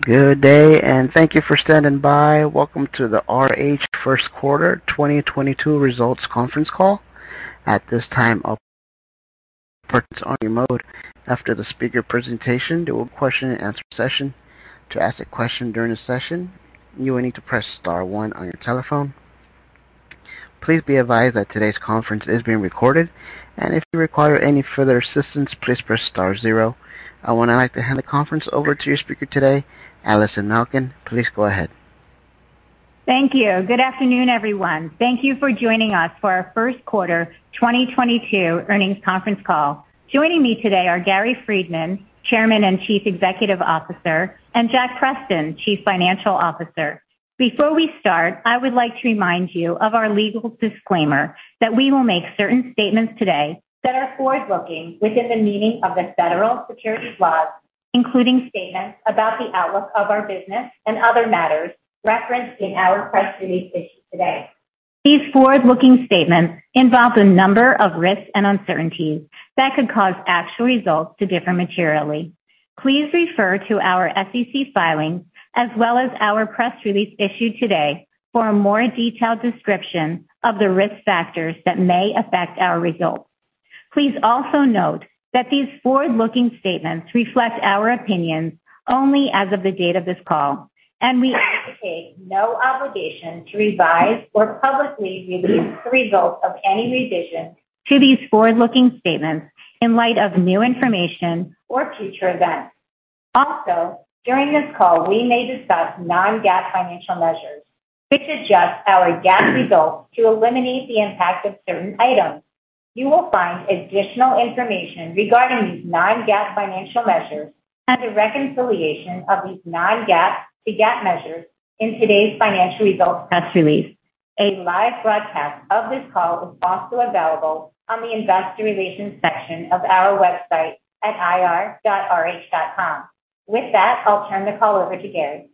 Good day, and thank you for standing by. Welcome to the RH first quarter 2022 results conference call. At this time, all participants are in a listen-only mode. After the speaker presentation, there will be a question and answer session. To ask a question during the session, you will need to press star one on your telephone. Please be advised that today's conference is being recorded, and if you require any further assistance, please press star zero. I would now like to hand the conference over to your speaker today, Allison Malkin. Please go ahead. Thank you. Good afternoon, everyone. Thank you for joining us for our first quarter 2022 earnings conference call. Joining me today are Gary Friedman, Chairman and Chief Executive Officer, and Jack Preston, Chief Financial Officer. Before we start, I would like to remind you of our legal disclaimer that we will make certain statements today that are forward-looking within the meaning of the federal securities laws, including statements about the outlook of our business and other matters referenced in our press release issued today. These forward-looking statements involve a number of risks and uncertainties that could cause actual results to differ materially. Please refer to our SEC filings as well as our press release issued today for a more detailed description of the risk factors that may affect our results. Please also note that these forward-looking statements reflect our opinions only as of the date of this call, and we anticipate no obligation to revise or publicly release the results of any revision to these forward-looking statements in light of new information or future events. Also, during this call, we may discuss non-GAAP financial measures, which adjust our GAAP results to eliminate the impact of certain items. You will find additional information regarding these non-GAAP financial measures and the reconciliation of these non-GAAP to GAAP measures in today's financial results press release. A live broadcast of this call is also available on the investor relations section of our website at ir.rh.com. With that, I'll turn the call over to Gary.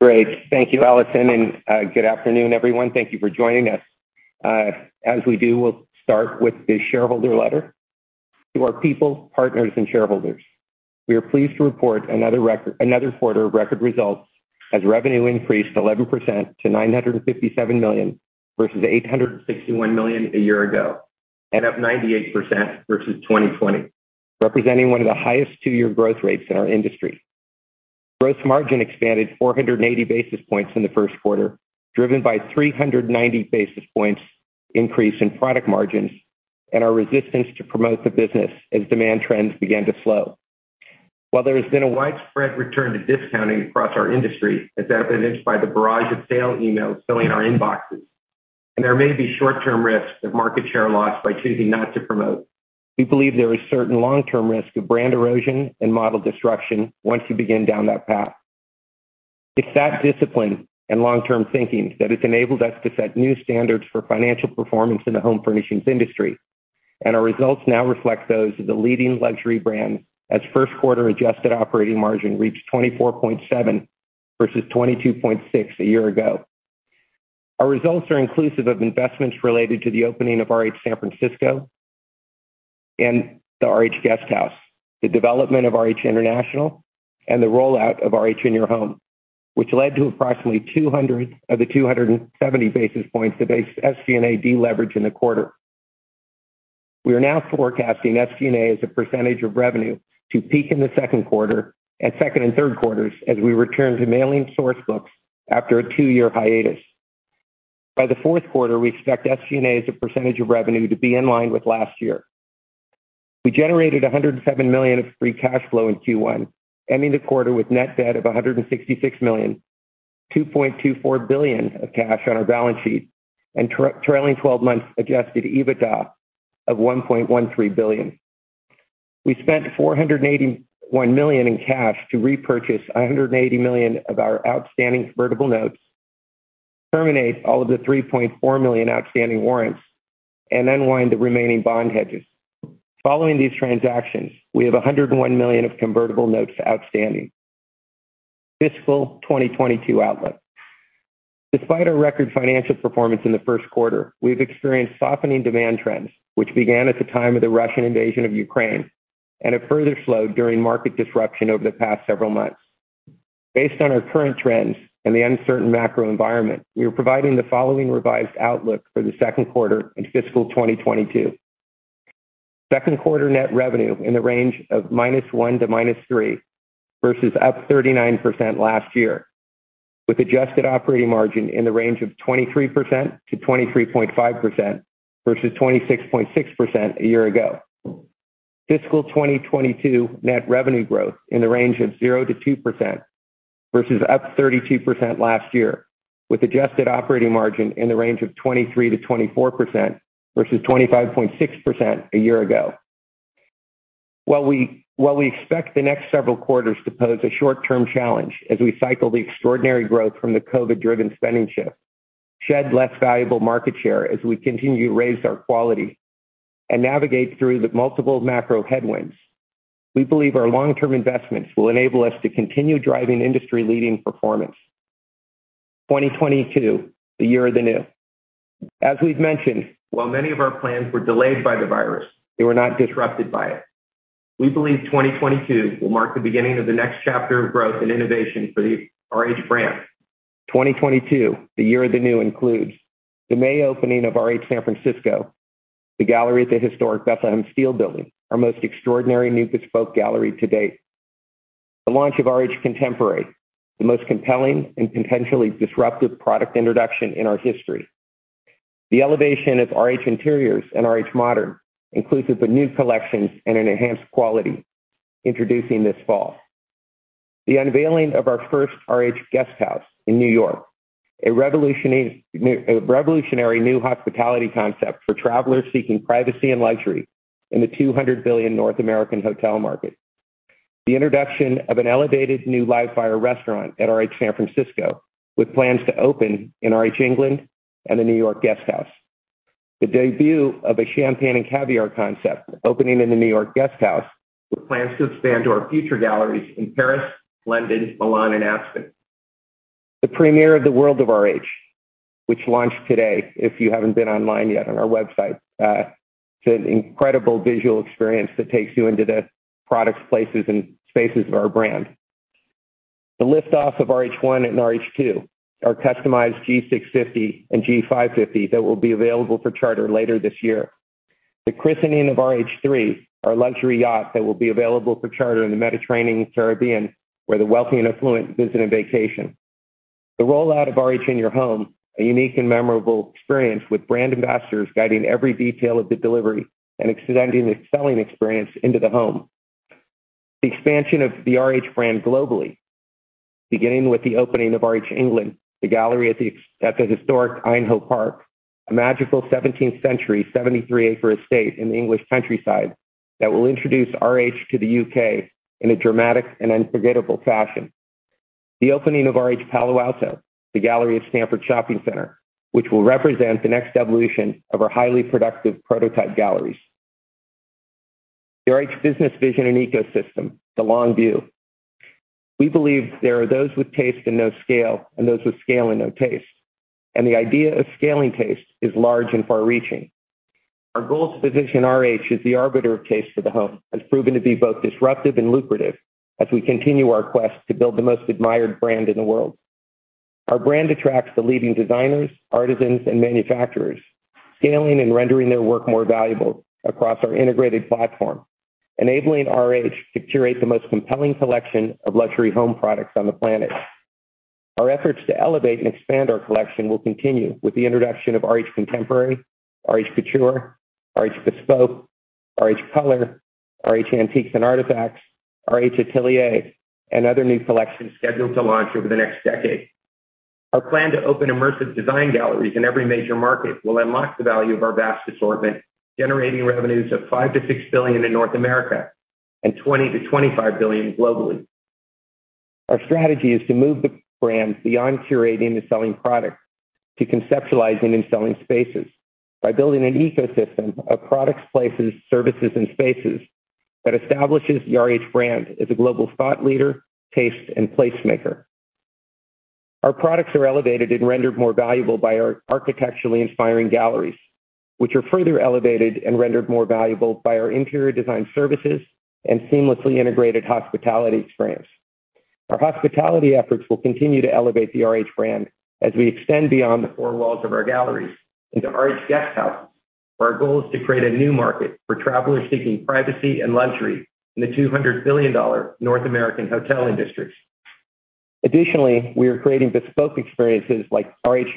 Great. Thank you, Allison, and good afternoon, everyone. Thank you for joining us. As we do, we'll start with the shareholder letter. To our people, partners, and shareholders, we are pleased to report another record quarter of record results as revenue increased 11% to $957 million versus $861 million a year ago, and up 98% versus 2020, representing one of the highest two-year growth rates in our industry. Gross margin expanded 480 basis points in the first quarter, driven by 390 basis points increase in product margins and our resistance to promote the business as demand trends began to slow. While there has been a widespread return to discounting across our industry, as evidenced by the barrage of sale emails filling our inboxes, and there may be short-term risks of market share loss by choosing not to promote, we believe there is certain long-term risk of brand erosion and model disruption once you begin down that path. It's that discipline and long-term thinking that has enabled us to set new standards for financial performance in the home furnishings industry, and our results now reflect those of the leading luxury brand as first quarter adjusted operating margin reached 24.7% versus 22.6% a year ago. Our results are inclusive of investments related to the opening of RH San Francisco and the RH Guesthouse, the development of RH International, and the rollout of RH In Your Home, which led to approximately 200 of the 270 basis points of SG&A deleverage in the quarter. We are now forecasting SG&A as a percentage of revenue to peak in the second and third quarters as we return to mailing source books after a 2-year hiatus. By the fourth quarter, we expect SG&A as a percentage of revenue to be in line with last year. We generated $107 million of free cash flow in Q1, ending the quarter with net debt of $166 million, $2.24 billion of cash on our balance sheet, and trailing twelve-month adjusted EBITDA of $1.13 billion. We spent $481 million in cash to repurchase $180 million of our outstanding convertible notes, terminate all of the $3.4 million outstanding warrants, and unwind the remaining bond hedges. Following these transactions, we have $101 million of convertible notes outstanding. Fiscal 2022 outlook. Despite our record financial performance in the first quarter, we've experienced softening demand trends, which began at the time of the Russian invasion of Ukraine and have further slowed during market disruption over the past several months. Based on our current trends and the uncertain macro environment, we are providing the following revised outlook for the second quarter in fiscal 2022. Second quarter net revenue in the range of -1% to -3% versus up 39% last year, with adjusted operating margin in the range of 23% to 23.5% versus 26.6% a year ago. Fiscal 2022 net revenue growth in the range of 0% to 2% versus up 32% last year, with adjusted operating margin in the range of 23%-24% versus 25.6% a year ago. While we expect the next several quarters to pose a short-term challenge as we cycle the extraordinary growth from the COVID-driven spending shift, shed less valuable market share as we continue to raise our quality, and navigate through the multiple macro headwinds, we believe our long-term investments will enable us to continue driving industry-leading performance. 2022, the year of the new. As we've mentioned, while many of our plans were delayed by the virus, they were not disrupted by it. We believe 2022 will mark the beginning of the next chapter of growth and innovation for the RH brand. 2022, the year of the new, includes the May opening of RH San Francisco, the gallery at the historic Bethlehem Steel Building, our most extraordinary new bespoke gallery to date. The launch of RH Contemporary, the most compelling and potentially disruptive product introduction in our history. The elevation of RH Interiors and RH Modern includes the new collections and an enhanced quality introducing this fall. The unveiling of our first RH Guesthouse in New York, a revolutionary new hospitality concept for travelers seeking privacy and luxury in the $200 billion North American hotel market. The introduction of an elevated new live fire restaurant at RH San Francisco, with plans to open in RH England and the New York Guesthouse. The debut of a champagne and caviar concept opening in the New York Guesthouse, with plans to expand to our future galleries in Paris, London, Milan, and Aspen. The premiere of the World of RH, which launched today, if you haven't been online yet on our website. It's an incredible visual experience that takes you into the products, places, and spaces of our brand. The lift off of RH One and RH Two, our customized G650 and G550 that will be available for charter later this year. The christening of RH Three, our luxury yacht that will be available for charter in the Mediterranean and Caribbean, where the wealthy and affluent visit and vacation. The rollout of RH In Your Home, a unique and memorable experience with brand ambassadors guiding every detail of the delivery and extending the selling experience into the home. The expansion of the RH brand globally, beginning with the opening of RH England, the gallery at the historic Aynho Park, a magical seventeenth century 73-acre estate in the English countryside that will introduce RH to the UK in a dramatic and unforgettable fashion. The opening of RH Palo Alto, the gallery at Stanford Shopping Center, which will represent the next evolution of our highly productive prototype galleries. RH's business vision and ecosystem, the long view. We believe there are those with taste and no scale, and those with scale and no taste, and the idea of scaling taste is large and far-reaching. Our goal is to position RH as the arbiter of taste for the home, has proven to be both disruptive and lucrative as we continue our quest to build the most admired brand in the world. Our brand attracts the leading designers, artisans, and manufacturers, scaling and rendering their work more valuable across our integrated platform, enabling RH to curate the most compelling collection of luxury home products on the planet. Our efforts to elevate and expand our collection will continue with the introduction of RH Contemporary, RH Couture, RH Bespoke, RH Color, RH Antiques and Artifacts, RH Atelier, and other new collections scheduled to launch over the next decade. Our plan to open immersive design galleries in every major market will unlock the value of our vast assortment, generating revenues of $5 billion-$6 billion in North America and $20 billion-$25 billion globally. Our strategy is to move the brand beyond curating and selling products to conceptualizing and selling spaces by building an ecosystem of products, places, services, and spaces that establishes the RH brand as a global thought leader, taste, and placemaker. Our products are elevated and rendered more valuable by our architecturally inspiring galleries, which are further elevated and rendered more valuable by our interior design services and seamlessly integrated hospitality experience. Our hospitality efforts will continue to elevate the RH brand as we extend beyond the four walls of our galleries into RH Guesthouse, where our goal is to create a new market for travelers seeking privacy and luxury in the $200 billion North American hotel industries. Additionally, we are creating bespoke experiences like RH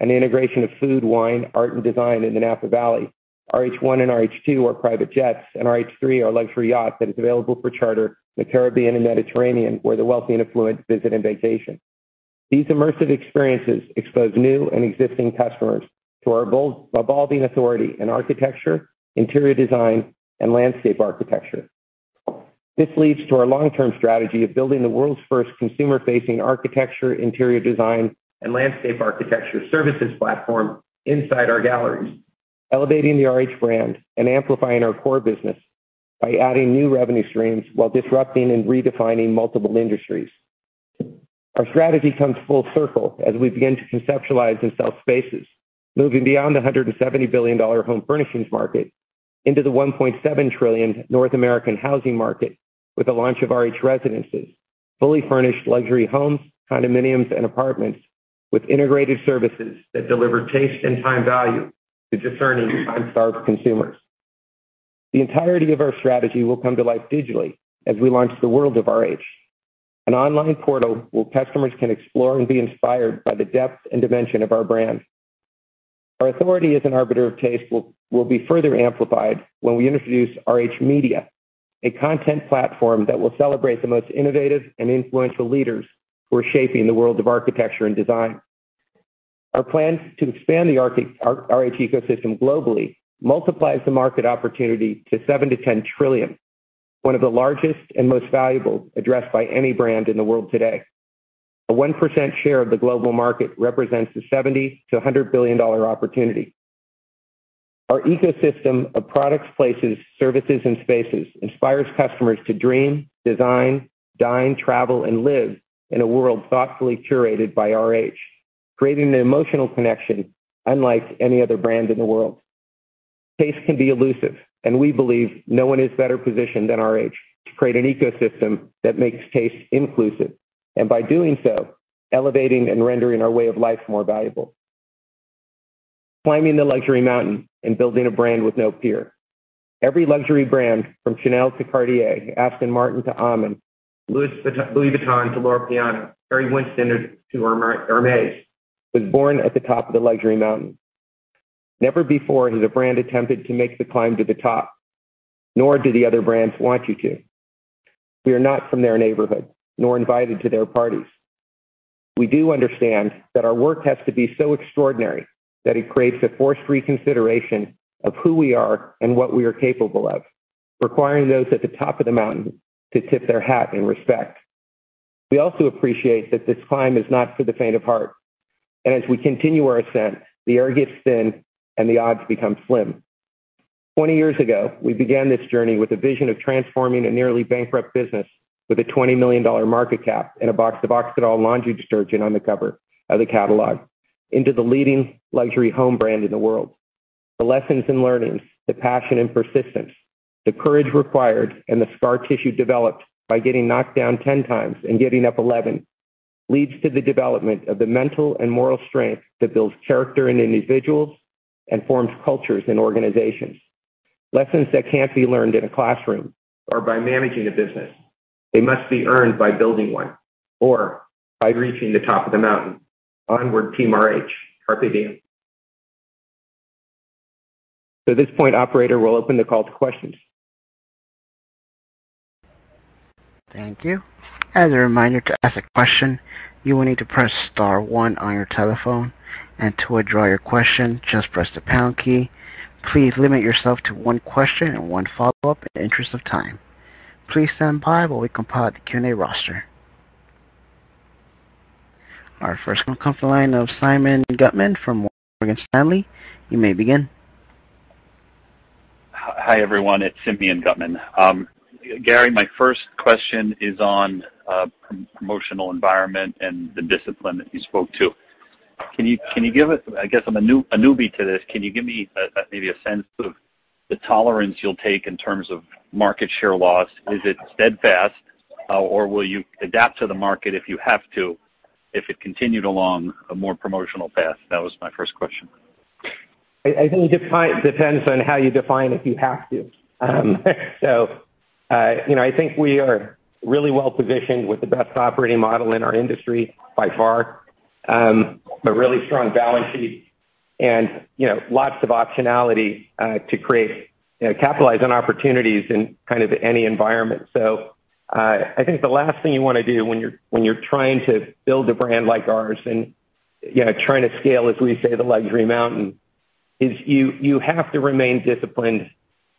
Yountville, an integration of food, wine, art, and design in the Napa Valley. RH One and RH Two are private jets, and RH Three, our luxury yacht that is available for charter in the Caribbean and Mediterranean, where the wealthy and affluent visit and vacation. These immersive experiences expose new and existing customers to our bold, evolving authority in architecture, interior design, and landscape architecture. This leads to our long-term strategy of building the world's first consumer-facing architecture, interior design, and landscape architecture services platform inside our galleries, elevating the RH brand and amplifying our core business by adding new revenue streams while disrupting and redefining multiple industries. Our strategy comes full circle as we begin to conceptualize and sell spaces, moving beyond the $170 billion home furnishings market into the $1.7 trillion North American housing market with the launch of RH Residences, fully furnished luxury homes, condominiums, and apartments with integrated services that deliver taste and time value to discerning, time-starved consumers. The entirety of our strategy will come to life digitally as we launch the World of RH, an online portal where customers can explore and be inspired by the depth and dimension of our brand. Our authority as an arbiter of taste will be further amplified when we introduce RH Media, a content platform that will celebrate the most innovative and influential leaders who are shaping the world of architecture and design. Our plans to expand the RH ecosystem globally multiplies the market opportunity to $7-$10 trillion, one of the largest and most valuable addressed by any brand in the world today. A 1% share of the global market represents a $70-$100 billion opportunity. Our ecosystem of products, places, services, and spaces inspires customers to dream, design, dine, travel, and live in a world thoughtfully curated by RH, creating an emotional connection unlike any other brand in the world. Taste can be elusive, and we believe no one is better positioned than RH to create an ecosystem that makes taste inclusive, and by doing so, elevating and rendering our way of life more valuable. Climbing the luxury mountain and building a brand with no peer. Every luxury brand from Chanel to Cartier, Aston Martin to Audemars Piguet, Louis Vuitton to Loro Piana, Harry Winston to Hermès, was born at the top of the luxury mountain. Never before has a brand attempted to make the climb to the top, nor do the other brands want you to. We are not from their neighborhood nor invited to their parties. We do understand that our work has to be so extraordinary that it creates a forced reconsideration of who we are and what we are capable of, requiring those at the top of the mountain to tip their hat in respect. We also appreciate that this climb is not for the faint of heart. As we continue our ascent, the air gets thin and the odds become slim. 20 years ago, we began this journey with a vision of transforming a nearly bankrupt business with a $20 million market cap and a box of Oxydol laundry detergent on the cover of the catalog into the leading luxury home brand in the world. The lessons and learnings, the passion and persistence, the courage required, and the scar tissue developed by getting knocked down 10 times and getting up 11 leads to the development of the mental and moral strength that builds character in individuals and forms cultures in organizations. Lessons that can't be learned in a classroom or by managing a business. They must be earned by building one or by reaching the top of the mountain. Onward, Team RH. Carpe diem. At this point, operator, we'll open the call to questions. Thank you. As a reminder, to ask a question, you will need to press star one on your telephone, and to withdraw your question, just press the pound key. Please limit yourself to one question and one follow-up in interest of time. Please stand by while we compile the Q&A roster. Our first one comes from the line of Simeon Gutman from Morgan Stanley. You may begin. Hi, everyone. It's Simeon Gutman. Gary, my first question is on the promotional environment and the discipline that you spoke to. I guess I'm a newbie to this. Can you give me a sense of the tolerance you'll take in terms of market share loss? Is it steadfast, or will you adapt to the market if you have to, if it continued along a more promotional path? That was my first question. I think it depends on how you define if you have to. You know, I think we are really well-positioned with the best operating model in our industry by far, a really strong balance sheet and, you know, lots of optionality to create, you know, capitalize on opportunities in kind of any environment. I think the last thing you wanna do when you're trying to build a brand like ours and, you know, trying to scale, as we say, the luxury mountain, is you have to remain disciplined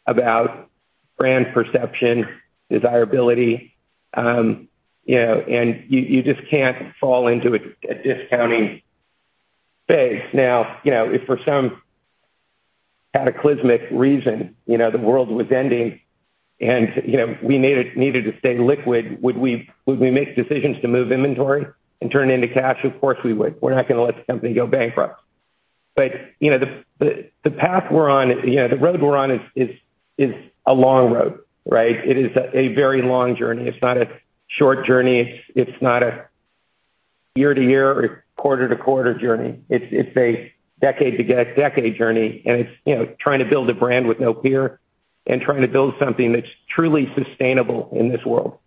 about brand perception, desirability, you know, and you just can't fall into a discounting phase. Now, you know, if for some cataclysmic reason, you know, the world was ending and, you know, we needed to stay liquid, would we make decisions to move inventory and turn it into cash? Of course, we would. We're not gonna let the company go bankrupt. You know, the path we're on, you know, the road we're on is a long road, right? It is a very long journey. It's not a short journey. It's not a year-to-year or quarter-to-quarter journey. It's a decade-to-decade journey, and it's, you know, trying to build a brand with no peer and trying to build something that's truly sustainable in this world.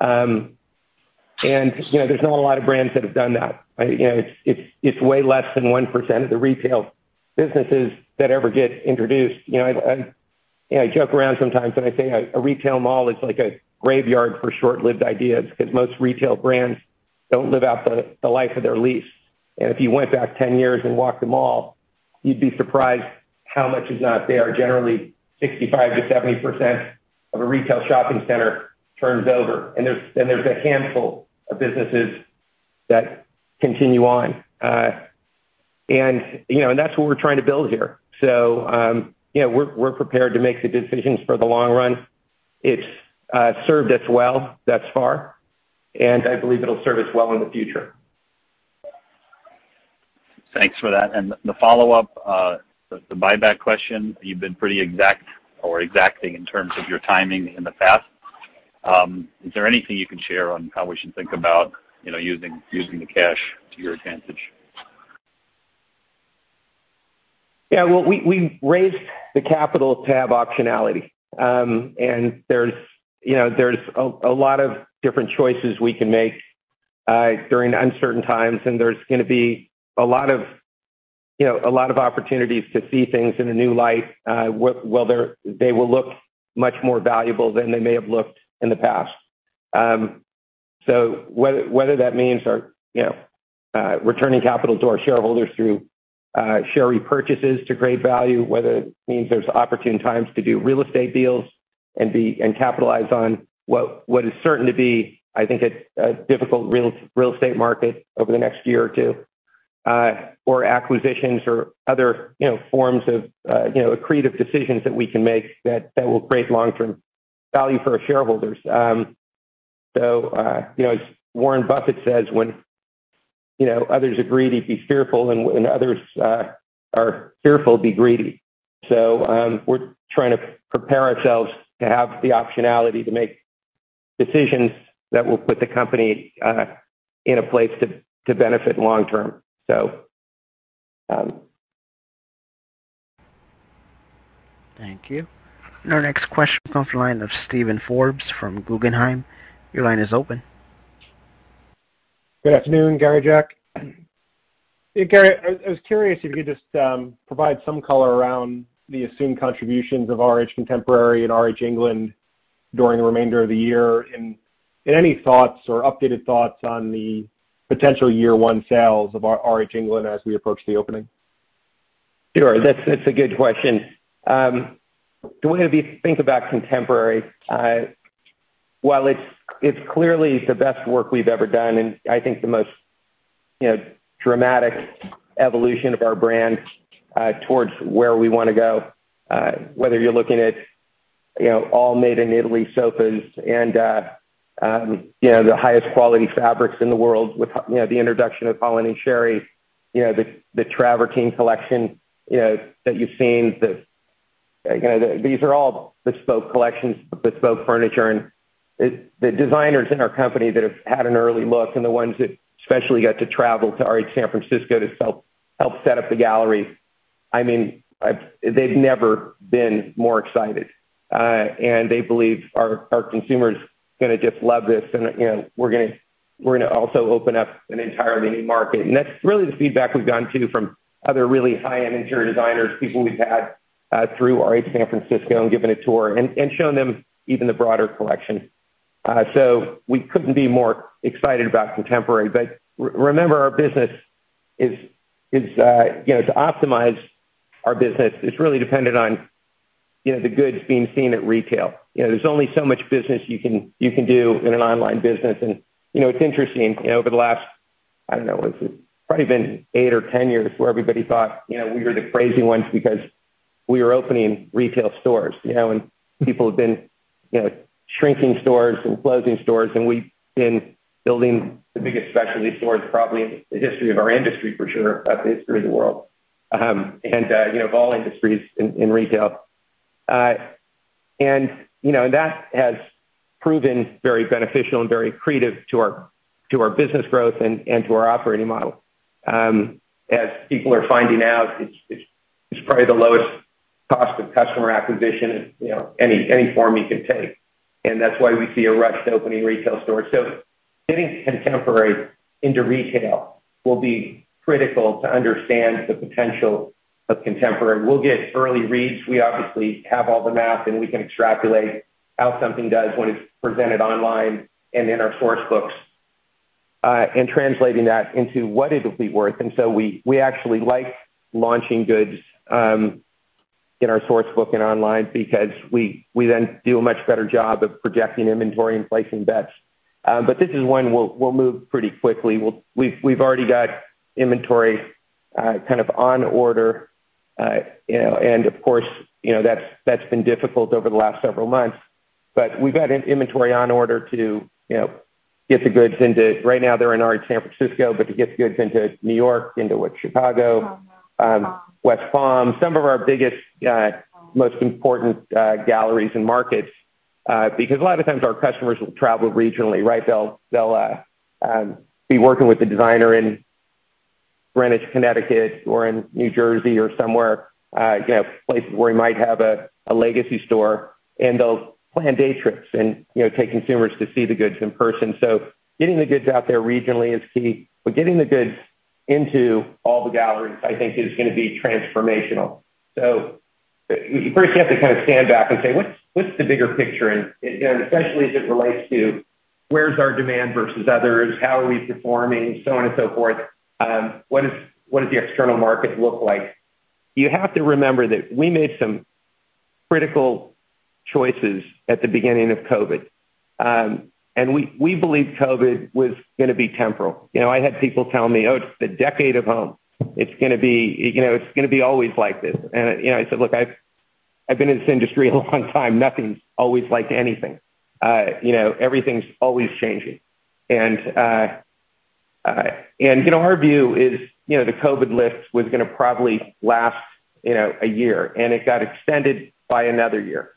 You know, there's not a lot of brands that have done that. You know, it's way less than 1% of the retail businesses that ever get introduced. You know, I joke around sometimes when I say a retail mall is like a graveyard for short-lived ideas because most retail brands don't live out the life of their lease. If you went back 10 years and walked the mall, you'd be surprised how much is not there. Generally 65%-70% of a retail shopping center turns over, and there's a handful of businesses that continue on. You know, that's what we're trying to build here. You know, we're prepared to make the decisions for the long run. It's served us well thus far, and I believe it'll serve us well in the future. Thanks for that. The follow-up, the buyback question, you've been pretty exact or exacting in terms of your timing in the past. Is there anything you can share on how we should think about, you know, using the cash to your advantage? Yeah. Well, we raised the capital to have optionality. There's, you know, a lot of different choices we can make during uncertain times, and there's gonna be a lot of, you know, a lot of opportunities to see things in a new light. They will look much more valuable than they may have looked in the past. Whether that means our, you know, returning capital to our shareholders through share repurchases to create value, whether it means there's opportune times to do real estate deals and capitalize on what is certain to be, I think a difficult real estate market over the next year or two, or acquisitions or other, you know, forms of, you know, accretive decisions that we can make that will create long-term value for our shareholders. You know, as Warren Buffett says, when you know others are greedy, be fearful, and when others are fearful, be greedy. We're trying to prepare ourselves to have the optionality to make decisions that will put the company in a place to benefit long term. Thank you. Our next question comes from the line of Steven Forbes from Guggenheim. Your line is open. Good afternoon, Gary and Jack. Gary, I was curious if you could just provide some color around the assumed contributions of RH Contemporary and RH England during the remainder of the year, and any thoughts or updated thoughts on the potential year one sales of RH England as we approach the opening. Sure. That's a good question. The way we think about contemporary, while it's clearly the best work we've ever done, and I think the most, you know, dramatic evolution of our brand, towards where we wanna go, whether you're looking at, you know, all-made-in-Italy sofas and, you know, the highest quality fabrics in the world with, you know, the introduction of Holland & Sherry, you know, the travertine collection, you know, that you've seen. These are all bespoke collections, bespoke furniture, and the designers in our company that have had an early look and the ones that especially got to travel to RH San Francisco to help set up the gallery. I mean, they've never been more excited, and they believe our consumers gonna just love this. You know, we're gonna also open up an entirely new market. That's really the feedback we've gotten, too, from other really high-end interior designers, people we've had through RH San Francisco and given a tour and shown them even the broader collection. We couldn't be more excited about contemporary. Remember, our business is you know, to optimize our business is really dependent on, you know, the goods being seen at retail. You know, there's only so much business you can do in an online business. You know, it's interesting, you know, over the last, I don't know, it's probably been 8 or 10 years where everybody thought, you know, we were the crazy ones because we were opening retail stores, you know, and people have been, you know, shrinking stores and closing stores, and we've been building the biggest specialty stores probably in the history of our industry, for sure, of the history of the world, you know, of all industries in retail. You know, and that has proven very beneficial and very accretive to our business growth and to our operating model. As people are finding out, it's probably the lowest cost of customer acquisition in, you know, any form you can take. That's why we see a rush to opening retail stores. Getting contemporary into retail will be critical to understand the potential of contemporary. We'll get early reads. We obviously have all the math, and we can extrapolate how something does when it's presented online and in our source books, and translating that into what it'll be worth. We actually like launching goods in our source book and online because we then do a much better job of projecting inventory and placing bets. This is one we'll move pretty quickly. We've already got inventory kind of on order. You know, and of course, you know, that's been difficult over the last several months. We've got an inventory on order to you know get the goods into. Right now they're in RH San Francisco, but to get the goods into New York, into, what, Chicago, West Palm, some of our biggest, most important, galleries and markets, because a lot of the times our customers will travel regionally, right? They'll be working with a designer in Greenwich, Connecticut or in New Jersey or somewhere, you know, places where we might have a legacy store, and they'll plan day trips and, you know, take consumers to see the goods in person. Getting the goods out there regionally is key, but getting the goods into all the galleries, I think is gonna be transformational. You first have to kind of stand back and say, what's the bigger picture? You know, especially as it relates to where's our demand versus others, how are we performing, so on and so forth, what does the external market look like? You have to remember that we made some critical choices at the beginning of COVID, and we believe COVID was gonna be temporal. You know, I had people telling me, "Oh, it's the decade of home. It's gonna be, you know, it's gonna be always like this." You know, I said, "Look, I've been in this industry a long time. Nothing's always like anything. You know, everything's always changing." You know, our view is, you know, the COVID lift was gonna probably last, you know, a year, and it got extended by another year,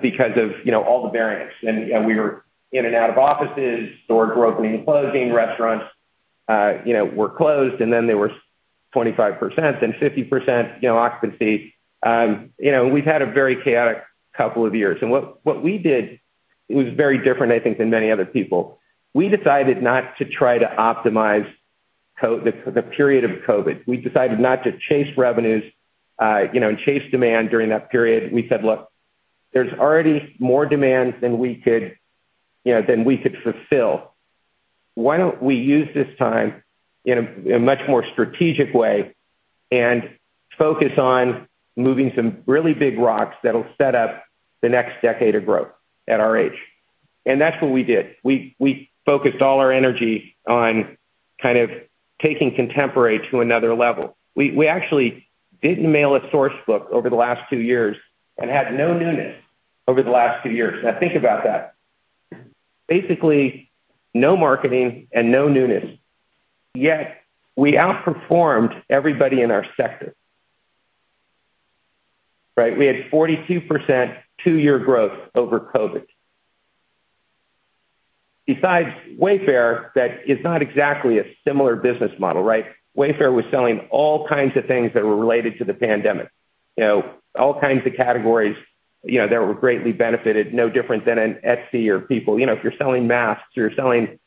because of, you know, all the variants. We were in and out of offices. Stores were opening and closing. Restaurants, you know, were closed, and then they were 25% then 50%, you know, occupancy. You know, we've had a very chaotic couple of years. What we did was very different, I think, than many other people. We decided not to try to optimize the period of COVID. We decided not to chase revenues, you know, and chase demand during that period. We said, "Look, there's already more demand than we could, you know, than we could fulfill. Why don't we use this time in a much more strategic way and focus on moving some really big rocks that'll set up the next decade of growth at RH?" That's what we did. We focused all our energy on kind of taking contemporary to another level. We actually didn't mail a Sourcebook over the last two years and had no newness over the last two years. Now think about that. Basically, no marketing and no newness, yet we outperformed everybody in our sector. Right? We had 42% two-year growth over COVID. Besides Wayfair, that is not exactly a similar business model, right? Wayfair was selling all kinds of things that were related to the pandemic. You know, all kinds of categories, you know, that were greatly benefited. No different than an Etsy or people. You know, if you're selling masks or you're selling,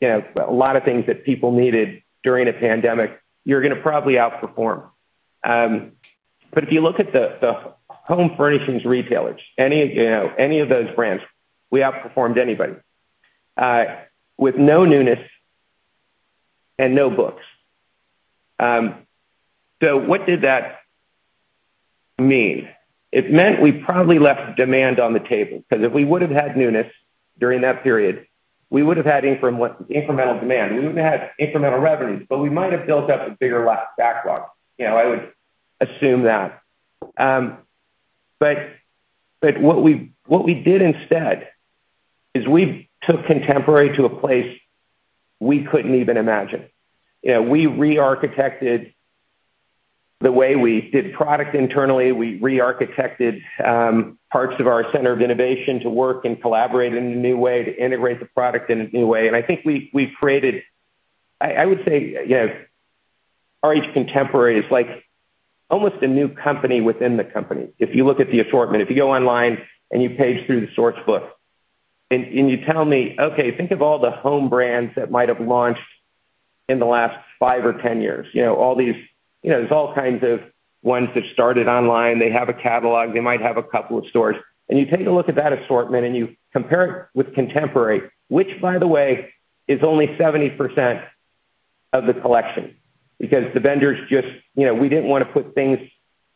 you know, a lot of things that people needed during a pandemic, you're gonna probably outperform. But if you look at the home furnishings retailers, you know, any of those brands, we outperformed anybody with no newness and no Sourcebooks. What did that mean? It meant we probably left demand on the table, 'cause if we would've had newness during that period, we would've had incremental demand. We wouldn't have had incremental revenues, but we might have built up a bigger backlog. You know, I would assume that. But what we did instead is we took contemporary to a place we couldn't even imagine. You know, we re-architected the way we did product internally. We re-architected parts of our center of innovation to work and collaborate in a new way, to integrate the product in a new way. I think we created. I would say, you know, RH Contemporary is like almost a new company within the company. If you look at the assortment, if you go online and you page through the source book and you tell me, okay, think of all the home brands that might have launched in the last 5 or 10 years. You know, all these. You know, there's all kinds of ones that started online. They have a catalog, they might have a couple of stores. You take a look at that assortment, and you compare it with Contemporary, which by the way, is only 70% of the collection because the vendors just. You know, we didn't wanna put things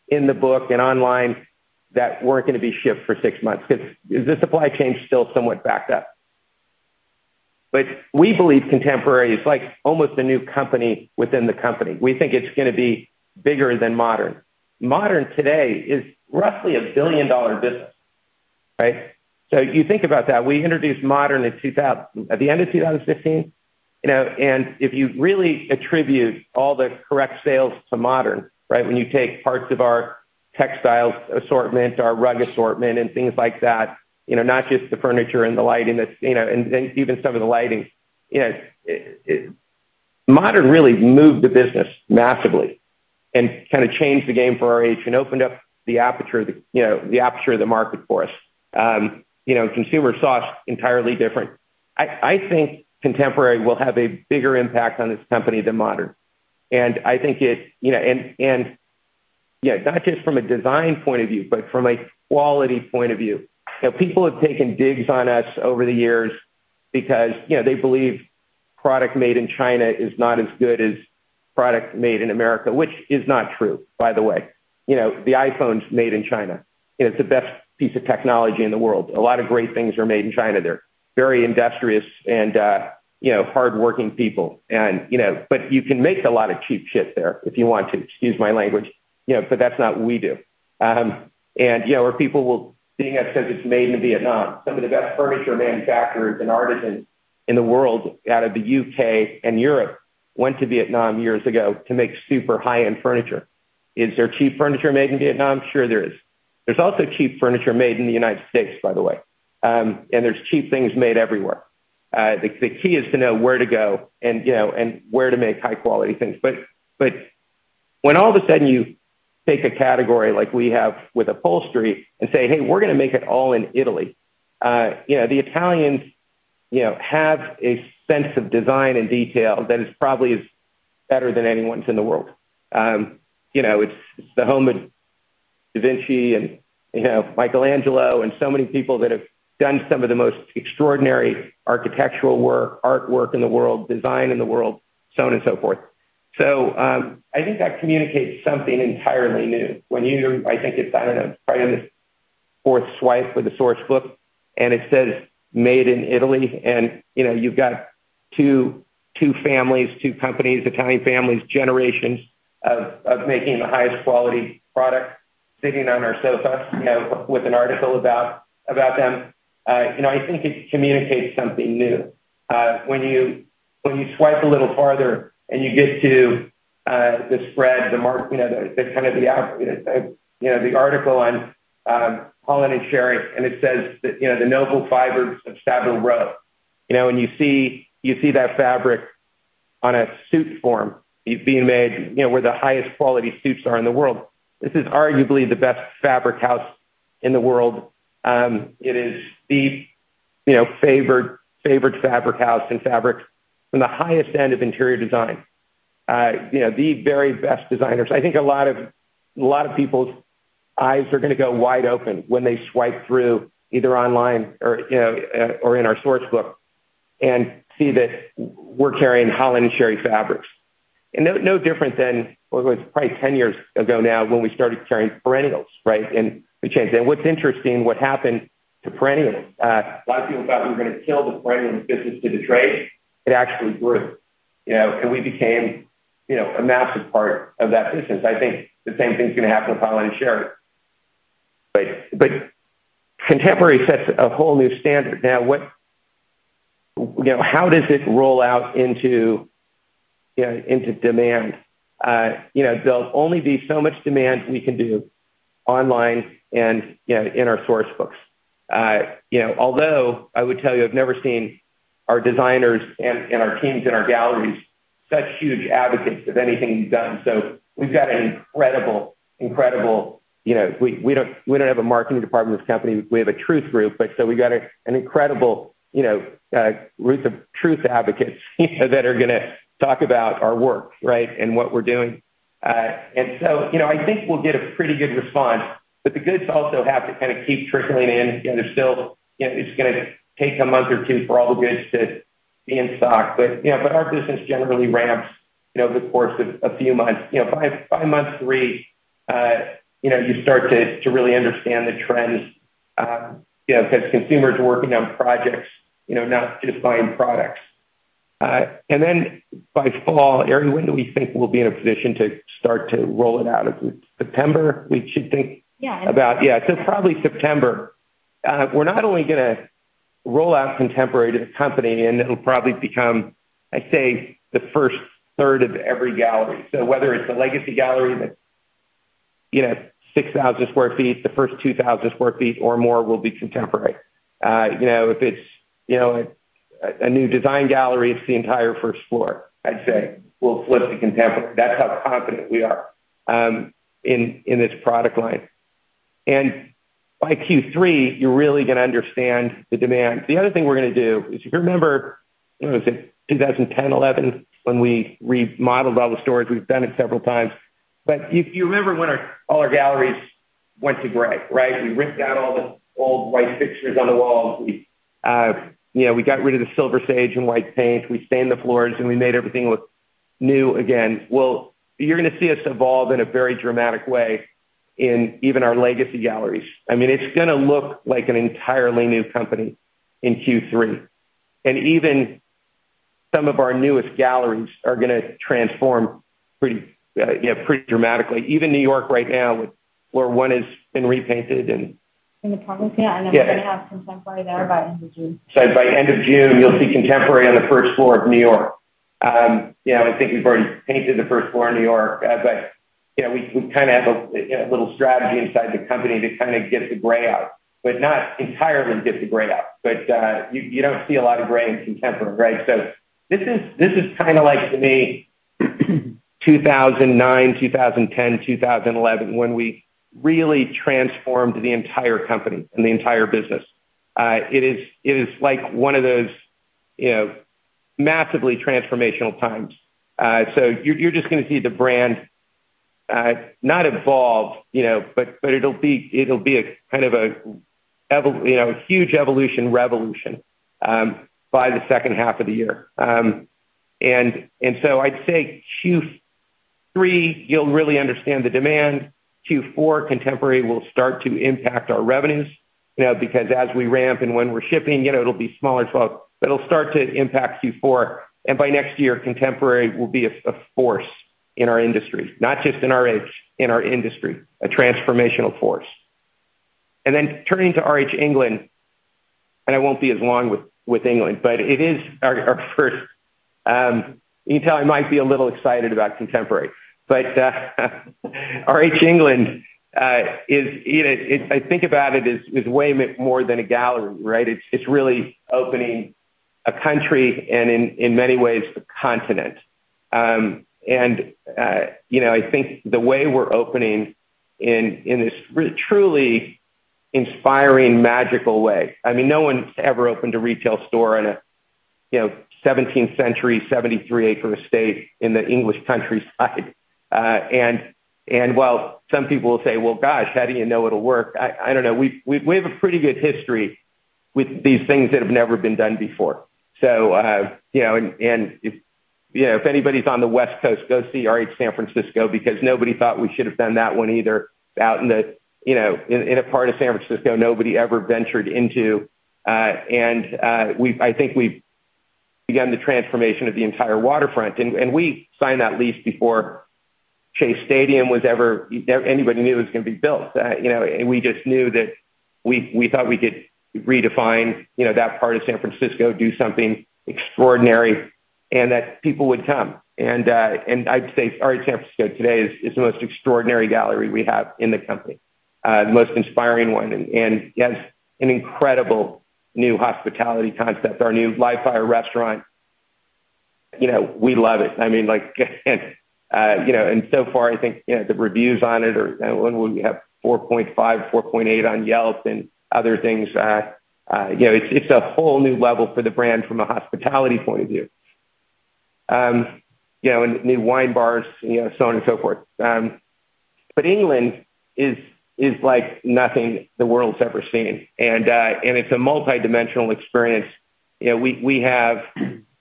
in the book and online that weren't gonna be shipped for six months 'cause the supply chain is still somewhat backed up. We believe Contemporary is like almost a new company within the company. We think it's gonna be bigger than Modern. Modern today is roughly a billion-dollar business, right? You think about that. We introduced modern at the end of 2015, you know, and if you really attribute all the correct sales to modern, right? When you take parts of our textiles assortment, our rug assortment and things like that, you know, not just the furniture and the lighting that's, you know, and even some of the lighting, you know, it. Modern really moved the business massively and kinda changed the game for RH and opened up the aperture, you know, the aperture of the market for us. You know, consumer saw us entirely different. I think contemporary will have a bigger impact on this company than modern. I think it, you know, yeah, not just from a design point of view, but from a quality point of view. You know, people have taken digs on us over the years because, you know, they believe product made in China is not as good as product made in America, which is not true, by the way. You know, the iPhone's made in China, and it's the best piece of technology in the world. A lot of great things are made in China. They're very industrious and, you know, hardworking people and, you know. But you can make a lot of cheap there if you want to. Excuse my language. You know, but that's not what we do. Or people will see that it says it's made in Vietnam. Some of the best furniture manufacturers and artisans in the world out of the UK and Europe went to Vietnam years ago to make super high-end furniture. Is there cheap furniture made in Vietnam? Sure there is. There's also cheap furniture made in the United States, by the way. There's cheap things made everywhere. The key is to know where to go and, you know, and where to make high-quality things. But when all of a sudden you take a category like we have with upholstery and say, "Hey, we're gonna make it all in Italy." You know, the Italians, you know, have a sense of design and detail that is probably better than anyone's in the world. You know, it's the home of Da Vinci and, you know, Michelangelo and so many people that have done some of the most extraordinary architectural work, artwork in the world, design in the world, so on and so forth. I think that communicates something entirely new. I think it's, I don't know, probably on the fourth swipe of the source book, and it says, "Made in Italy." You know, you've got two families, two companies, Italian families, generations of making the highest quality product, sitting on our sofa, you know, with an article about them. You know, I think it communicates something new. When you swipe a little farther and you get to the spread, you know, the article on Holland & Sherry, and it says that, you know, the noble fibers of Savile Row. You know, when you see that fabric on a suit form, it's being made, you know, where the highest quality suits are in the world. This is arguably the best fabric house in the world. It is the, you know, favored fabric house and fabric from the highest end of interior design. You know, the very best designers. I think a lot of people's eyes are gonna go wide open when they swipe through either online or, you know, or in our source book and see that we're carrying Holland & Sherry fabrics. No different than what was probably 10 years ago now when we started carrying Perennials, right? We changed. What's interesting, what happened to Perennials, a lot of people thought we were gonna kill the Perennials business to the trade. It actually grew, you know, and we became, you know, a massive part of that business. I think the same thing's gonna happen with Holland & Sherry. But RH Contemporary sets a whole new standard. Now, you know, how does it roll out into, you know, into demand? You know, there'll only be so much demand we can do online and, you know, in our source books. You know, although I would tell you, I've never seen our designers and our teams and our galleries such huge advocates of anything we've done. So we've got an incredible. You know, we don't have a marketing department as a company. We have a truth group, but so we got an incredible, you know, group of truth advocates, you know, that are gonna talk about our work, right, and what we're doing. I think we'll get a pretty good response, but the goods also have to kinda keep trickling in. You know, there's still. You know, it's gonna take a month or two for all the goods to be in stock. Our business generally ramps, you know, over the course of a few months. You know, by month three, you know, you start to really understand the trends, you know, because consumers are working on projects, you know, not just buying products. By fall, Eri, when do we think we'll be in a position to start to roll it out? Is it September we should think? Yeah. Probably September. We're not only gonna roll out contemporary to the company, and it'll probably become, I'd say, the first third of every gallery. Whether it's a legacy gallery that's, you know, 6,000 sq ft, the first 2,000 sq ft or more will be contemporary. You know, if it's a new design gallery, it's the entire first floor, I'd say, we'll flip to contemporary. That's how confident we are in this product line. By Q3, you're really gonna understand the demand. The other thing we're gonna do is, if you remember, I wanna say 2010, 2011, when we remodeled all the stores, we've done it several times. If you remember when all our galleries went to gray, right? We ripped out all the old white fixtures on the walls. We, you know, we got rid of the silver sage and white paint. We stained the floors, and we made everything look new again. Well, you're gonna see us evolve in a very dramatic way in even our legacy galleries. I mean, it's gonna look like an entirely new company in Q3. Even some of our newest galleries are gonna transform pretty, yeah, pretty dramatically. Even New York right now with floor one has been repainted and. In the public? Yeah. Yes. We're gonna have RH Contemporary there by end of June. By end of June, you'll see contemporary on the first floor of New York. You know, I think we've already painted the first floor in New York. We kinda have a little strategy inside the company to kinda get the gray out, but not entirely get the gray out. You don't see a lot of gray in contemporary, right? This is kinda like to me 2009, 2010, 2011, when we really transformed the entire company and the entire business. It is like one of those, you know, massively transformational times. You're just gonna see the brand not evolve, you know, but it'll be a kind of an evolution. You know, a huge evolution, revolution, by the second half of the year. I'd say Q3, you'll really understand the demand. Q4, contemporary will start to impact our revenues, you know, because as we ramp and when we're shipping, you know, it'll be smaller as well. It'll start to impact Q4, and by next year, contemporary will be a force in our industry, not just in RH, in our industry, a transformational force. Turning to RH England, I won't be as long with England, but it is our first. You can tell I might be a little excited about contemporary. RH England is, you know, I think about it as way more than a gallery, right? It's really opening a country and in many ways, the continent. You know, I think the way we're opening in this truly inspiring, magical way. I mean, no one's ever opened a retail store in a seventeenth-century, 73-acre estate in the English countryside. While some people will say, "Well, gosh, how do you know it'll work?" I don't know. We have a pretty good history with these things that have never been done before. You know, if anybody's on the West Coast, go see RH San Francisco because nobody thought we should have done that one either out in, you know, a part of San Francisco nobody ever ventured into. I think we've begun the transformation of the entire waterfront. We signed that lease before anybody knew it was gonna be built. You know, we just knew that we thought we could redefine, you know, that part of San Francisco, do something extraordinary, and that people would come. I'd say RH San Francisco today is the most extraordinary gallery we have in the company, the most inspiring one, and it has an incredible new hospitality concept, our new live fire restaurant. You know, we love it. I mean, like, you know, and so far, I think, you know, the reviews on it are, you know, we have 4.5, 4.8 on Yelp and other things, you know, it's a whole new level for the brand from a hospitality point of view. You know, new wine bars, you know, so on and so forth. England is like nothing the world's ever seen. It's a multidimensional experience. You know, we have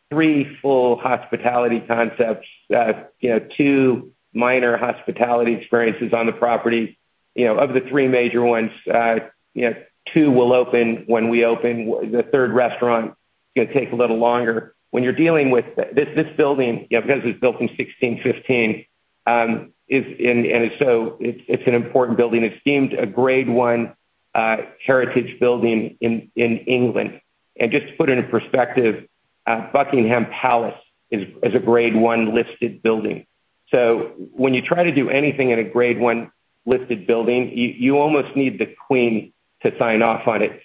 three full hospitality concepts, you know, two minor hospitality experiences on the property. You know, of the three major ones, you know, two will open when we open. The third restaurant gonna take a little longer. When you're dealing with this building, you know, because it was built in 1615, and so it's an important building. It's deemed a grade one heritage building in England. Just to put it in perspective, Buckingham Palace is a grade one listed building. When you try to do anything in a Grade I listed building, you almost need the Queen to sign off on it.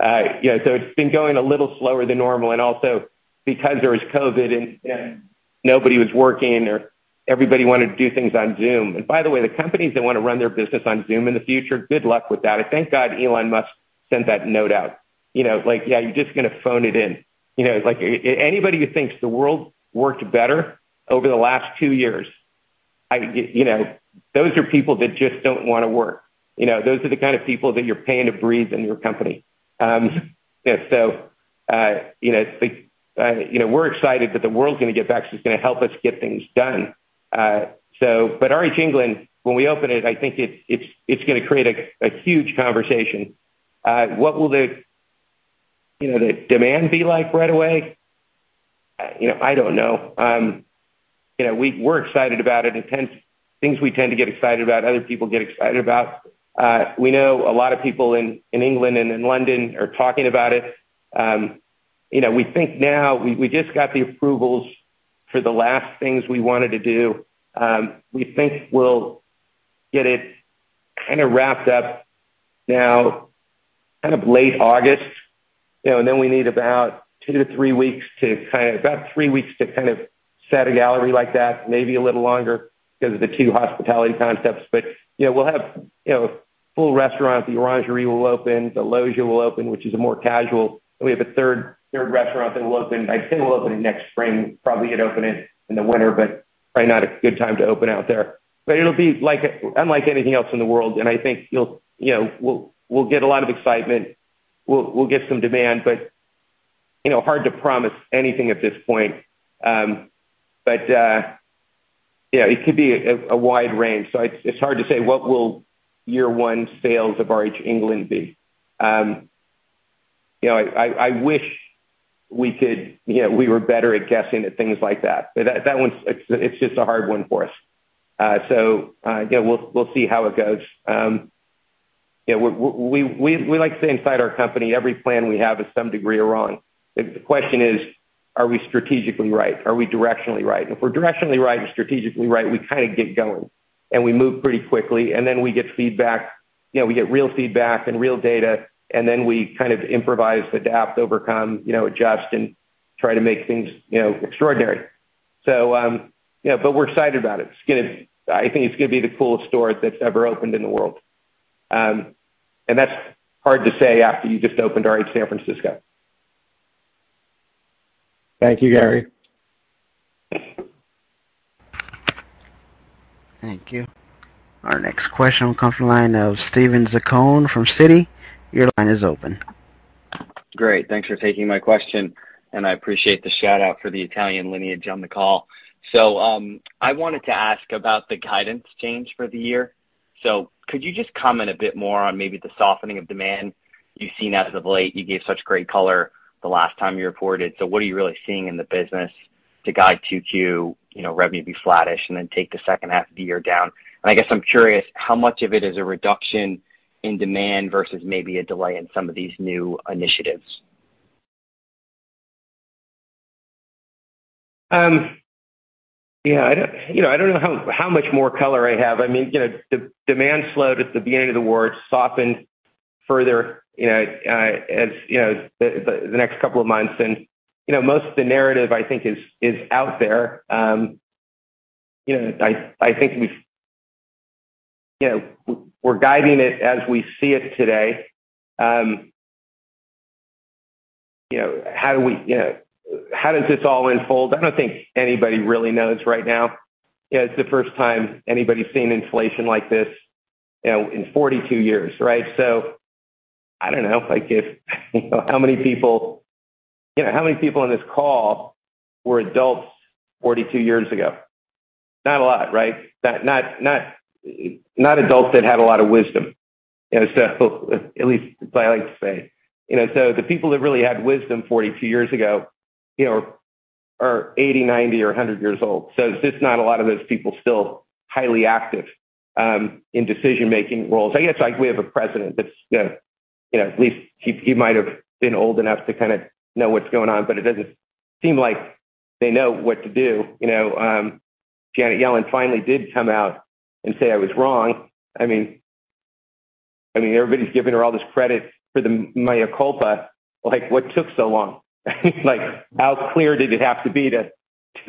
You know, it's been going a little slower than normal. Also because there was COVID and nobody was working or everybody wanted to do things on Zoom. By the way, the companies that wanna run their business on Zoom in the future, good luck with that. Thank God Elon Musk sent that note out, you know, like, yeah, you're just gonna phone it in. You know, like anybody who thinks the world worked better over the last two years, you know, those are people that just don't wanna work. You know, those are the kind of people that you're paying to breathe in your company. Yeah, you know, we're excited that the world's gonna get back 'cause it's gonna help us get things done. RH England, when we open it, I think it's gonna create a huge conversation. What will, you know, the demand be like right away? You know, I don't know. You know, we're excited about it, and things we tend to get excited about, other people get excited about. We know a lot of people in England and in London are talking about it. You know, we think now we just got the approvals for the last things we wanted to do. We think we'll get it kinda wrapped up now kind of late August, you know, and then we need about 2-3 weeks about 3 weeks to kind of set a gallery like that, maybe a little longer 'cause of the two hospitality concepts. You know, we'll have, you know, full restaurant. The Orangery will open. The Loggia will open, which is more casual. We have a third restaurant that will open. I think it'll open in next spring. Probably it opening in the winter, but probably not a good time to open out there. It'll be like unlike anything else in the world, and I think you know we'll get a lot of excitement. We'll get some demand. You know, hard to promise anything at this point. You know, it could be a wide range, so it's hard to say what year one sales of RH England will be. You know, I wish we could, you know, we were better at guessing at things like that. That one's just a hard one for us. So yeah, we'll see how it goes. We like to say inside our company, every plan we have is some degree are wrong. The question is, are we strategically right? Are we directionally right? If we're directionally right and strategically right, we kinda get going, and we move pretty quickly, and then we get feedback. You know, we get real feedback and real data, and then we kind of improvise, adapt, overcome, you know, adjust, and try to make things, you know, extraordinary. You know, but we're excited about it. I think it's gonna be the coolest store that's ever opened in the world. That's hard to say after you just opened RH San Francisco. Thank you, Gary. Thank you. Our next question will come from the line of Steven Zaccone from Citi. Your line is open. Great. Thanks for taking my question, and I appreciate the shout-out for the Italian lineage on the call. I wanted to ask about the guidance change for the year. Could you just comment a bit more on maybe the softening of demand you've seen as of late? You gave such great color the last time you reported. What are you really seeing in the business to guide 2Q, you know, revenue be flattish and then take the second half of the year down? I guess I'm curious how much of it is a reduction in demand versus maybe a delay in some of these new initiatives? Yeah, I don't, you know, I don't know how much more color I have. I mean, you know, demand slowed at the beginning of the war. It softened further, you know, as, you know, the next couple of months. You know, most of the narrative, I think, is out there. You know, I think we're guiding it as we see it today. You know, how do we, you know, how does this all unfold? I don't think anybody really knows right now. You know, it's the first time anybody's seen inflation like this, you know, in 42 years, right? I don't know, like if you know, how many people, you know, on this call were adults 42 years ago? Not a lot, right? Not adults that had a lot of wisdom, you know? At least that's what I like to say. You know, the people that really had wisdom 42 years ago, you know, are 80, 90, or 100 years old. There's just not a lot of those people still highly active in decision-making roles. I guess, like, we have a president that's, you know, at least he might have been old enough to kinda know what's going on, but it doesn't seem like they know what to do. You know, Janet Yellen finally did come out and say, "I was wrong." I mean, everybody's giving her all this credit for the mea culpa. Like, what took so long? Like, how clear did it have to be to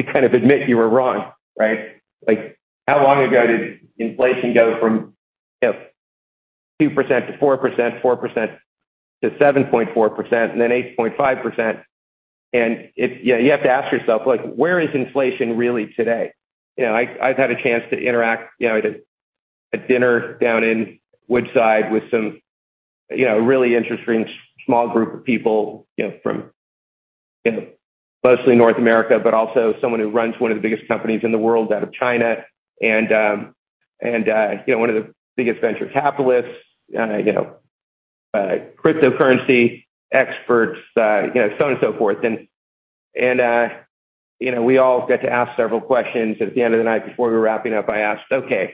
kind of admit you were wrong, right? Like, how long ago did inflation go from, you know, 2% to 4%, 4% to 7.4%, and then 8.5%. Yeah, you have to ask yourself, like, where is inflation really today? You know, I've had a chance to interact, you know, at a dinner down in Woodside with some, you know, really interesting small group of people, you know, from, you know, mostly North America, but also someone who runs one of the biggest companies in the world out of China. And you know, one of the biggest venture capitalists, you know, cryptocurrency experts, you know, so on and so forth. And you know, we all got to ask several questions. At the end of the night before we were wrapping up, I asked, "Okay,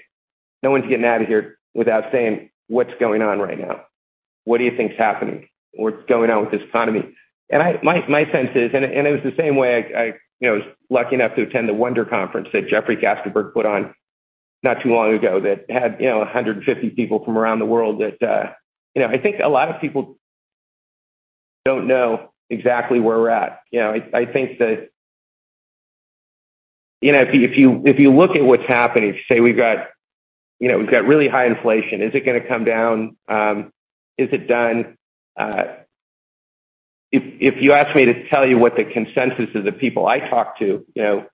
no one's getting out of here without saying what's going on right now. What do you think is happening? What's going on with this economy?" My sense is, and it was the same way I you know was lucky enough to attend the WndrCo Conference that Jeffrey Katzenberg put on not too long ago that had you know 150 people from around the world that you know. I think a lot of people don't know exactly where we're at. You know, I think that. You know, if you look at what's happening, say we've got you know we've got really high inflation. Is it gonna come down? Is it done? If you ask me to tell you what the consensus of the people I talk to, you know,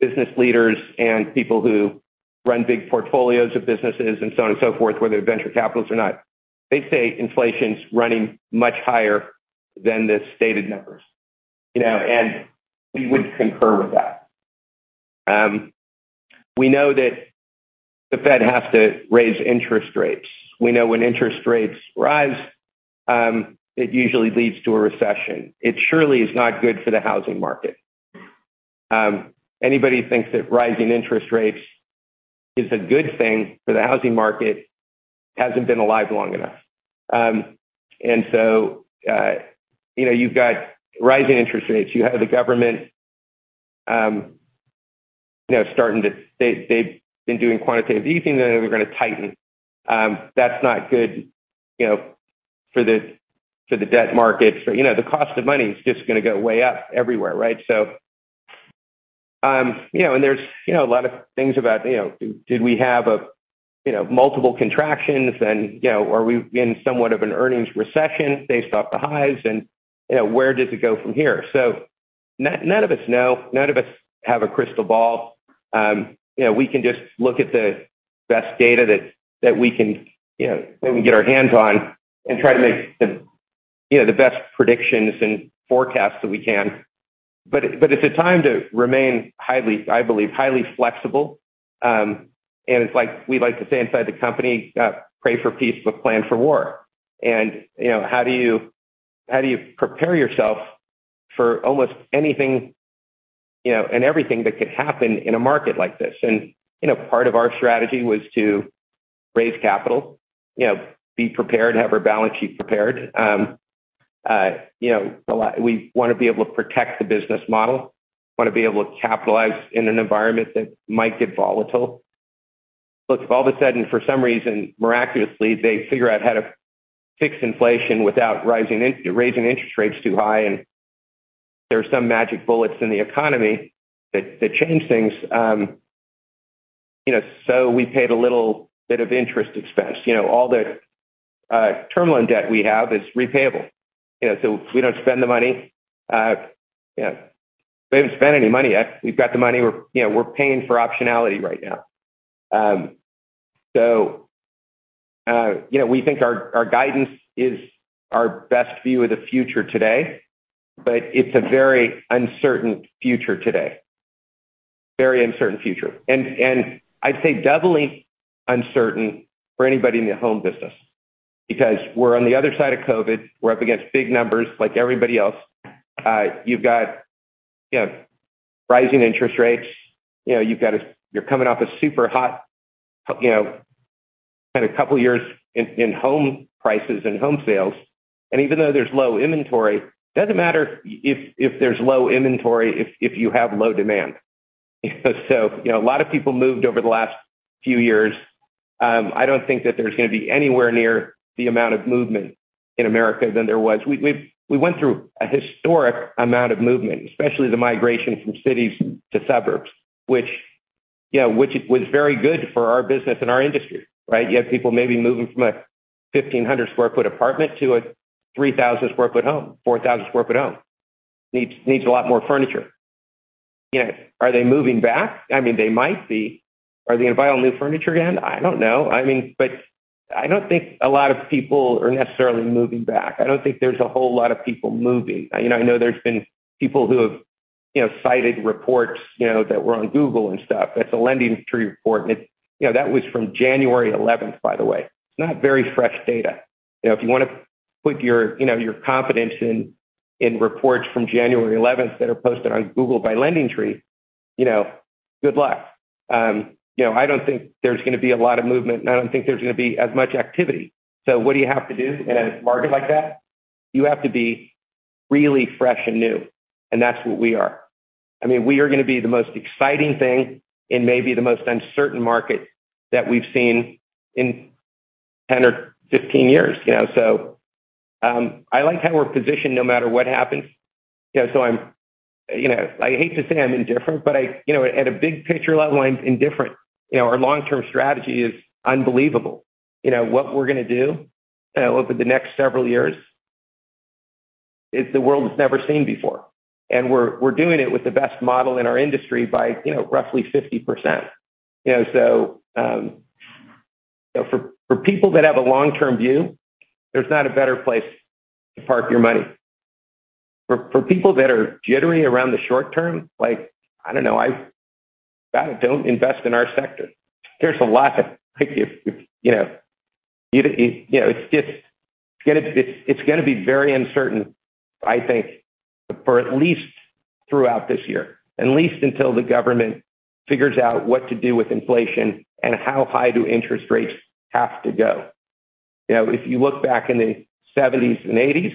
business leaders and people who run big portfolios of businesses and so on and so forth, whether they're venture capitalists or not, they say inflation's running much higher than the stated numbers, you know, and we would concur with that. We know that the Fed has to raise interest rates. We know when interest rates rise, it usually leads to a recession. It surely is not good for the housing market. Anybody thinks that rising interest rates is a good thing for the housing market hasn't been alive long enough. You know, you've got rising interest rates. You have the government, you know, starting to. They have been doing quantitative easing, then they were gonna tighten. That's not good, you know, for the debt market. You know, the cost of money is just gonna go way up everywhere, right? You know, there's a lot of things about, you know, did we have multiple contractions and, you know, are we in somewhat of an earnings recession based off the highs and, you know, where does it go from here? None of us know. None of us have a crystal ball. You know, we can just look at the best data that we can get our hands on and try to make the best predictions and forecasts that we can. It's a time to remain highly, I believe, highly flexible. It's like we like to say inside the company, pray for peace, but plan for war. You know, how do you prepare yourself for almost anything, you know, and everything that could happen in a market like this? You know, part of our strategy was to raise capital. You know, be prepared, have our balance sheet prepared. You know, a lot, we wanna be able to protect the business model. Wanna be able to capitalize in an environment that might get volatile. Look, if all of a sudden, for some reason, miraculously, they figure out how to fix inflation without raising interest rates too high, and there are some magic bullets in the economy that change things, you know, so we paid a little bit of interest expense. You know, all the term loan debt we have is repayable. You know, so we don't spend the money. You know, we haven't spent any money yet. We've got the money. We're, you know, paying for optionality right now. You know, we think our guidance is our best view of the future today, but it's a very uncertain future today. Very uncertain future. I'd say doubly uncertain for anybody in the home business because we're on the other side of COVID. We're up against big numbers like everybody else. You've got, you know, rising interest rates. You know, you're coming off a super hot, you know, kind of couple years in home prices and home sales. Even though there's low inventory, doesn't matter if there's low inventory, if you have low demand. You know, a lot of people moved over the last few years. I don't think that there's gonna be anywhere near the amount of movement in America than there was. We went through a historic amount of movement, especially the migration from cities to suburbs, which you know was very good for our business and our industry, right? You have people maybe moving from a 1,500 sq ft apartment to a 3,000 sq ft home, 4,000 sq ft home. Needs a lot more furniture. You know, are they moving back? I mean, they might be. Are they gonna buy all new furniture again? I don't know. I mean, I don't think a lot of people are necessarily moving back. I don't think there's a whole lot of people moving. You know, I know there's been people who have, you know, cited reports, you know, that were on Google and stuff. That's a LendingTree report, and, you know, that was from January eleventh, by the way. It's not very fresh data. You know, if you wanna put your, you know, your confidence in reports from January eleventh that are posted on Google by LendingTree, you know, good luck. You know, I don't think there's gonna be a lot of movement, and I don't think there's gonna be as much activity. What do you have to do in a market like that? You have to be really fresh and new, and that's what we are. I mean, we are gonna be the most exciting thing in maybe the most uncertain market that we've seen in 10 or 15 years, you know? I like how we're positioned no matter what happens. You know, so I'm, you know, I hate to say I'm indifferent, but I, you know, at a big picture level, I'm indifferent. You know, our long-term strategy is unbelievable. You know, what we're gonna do over the next several years, the world has never seen before. We're doing it with the best model in our industry by, you know, roughly 50%. You know, for people that have a long-term view, there's not a better place to park your money. For people that are jittery around the short term, like, I don't know, don't invest in our sector. It's gonna be very uncertain, I think, for at least throughout this year, and at least until the government figures out what to do with inflation and how high do interest rates have to go. You know, if you look back in the seventies and eighties,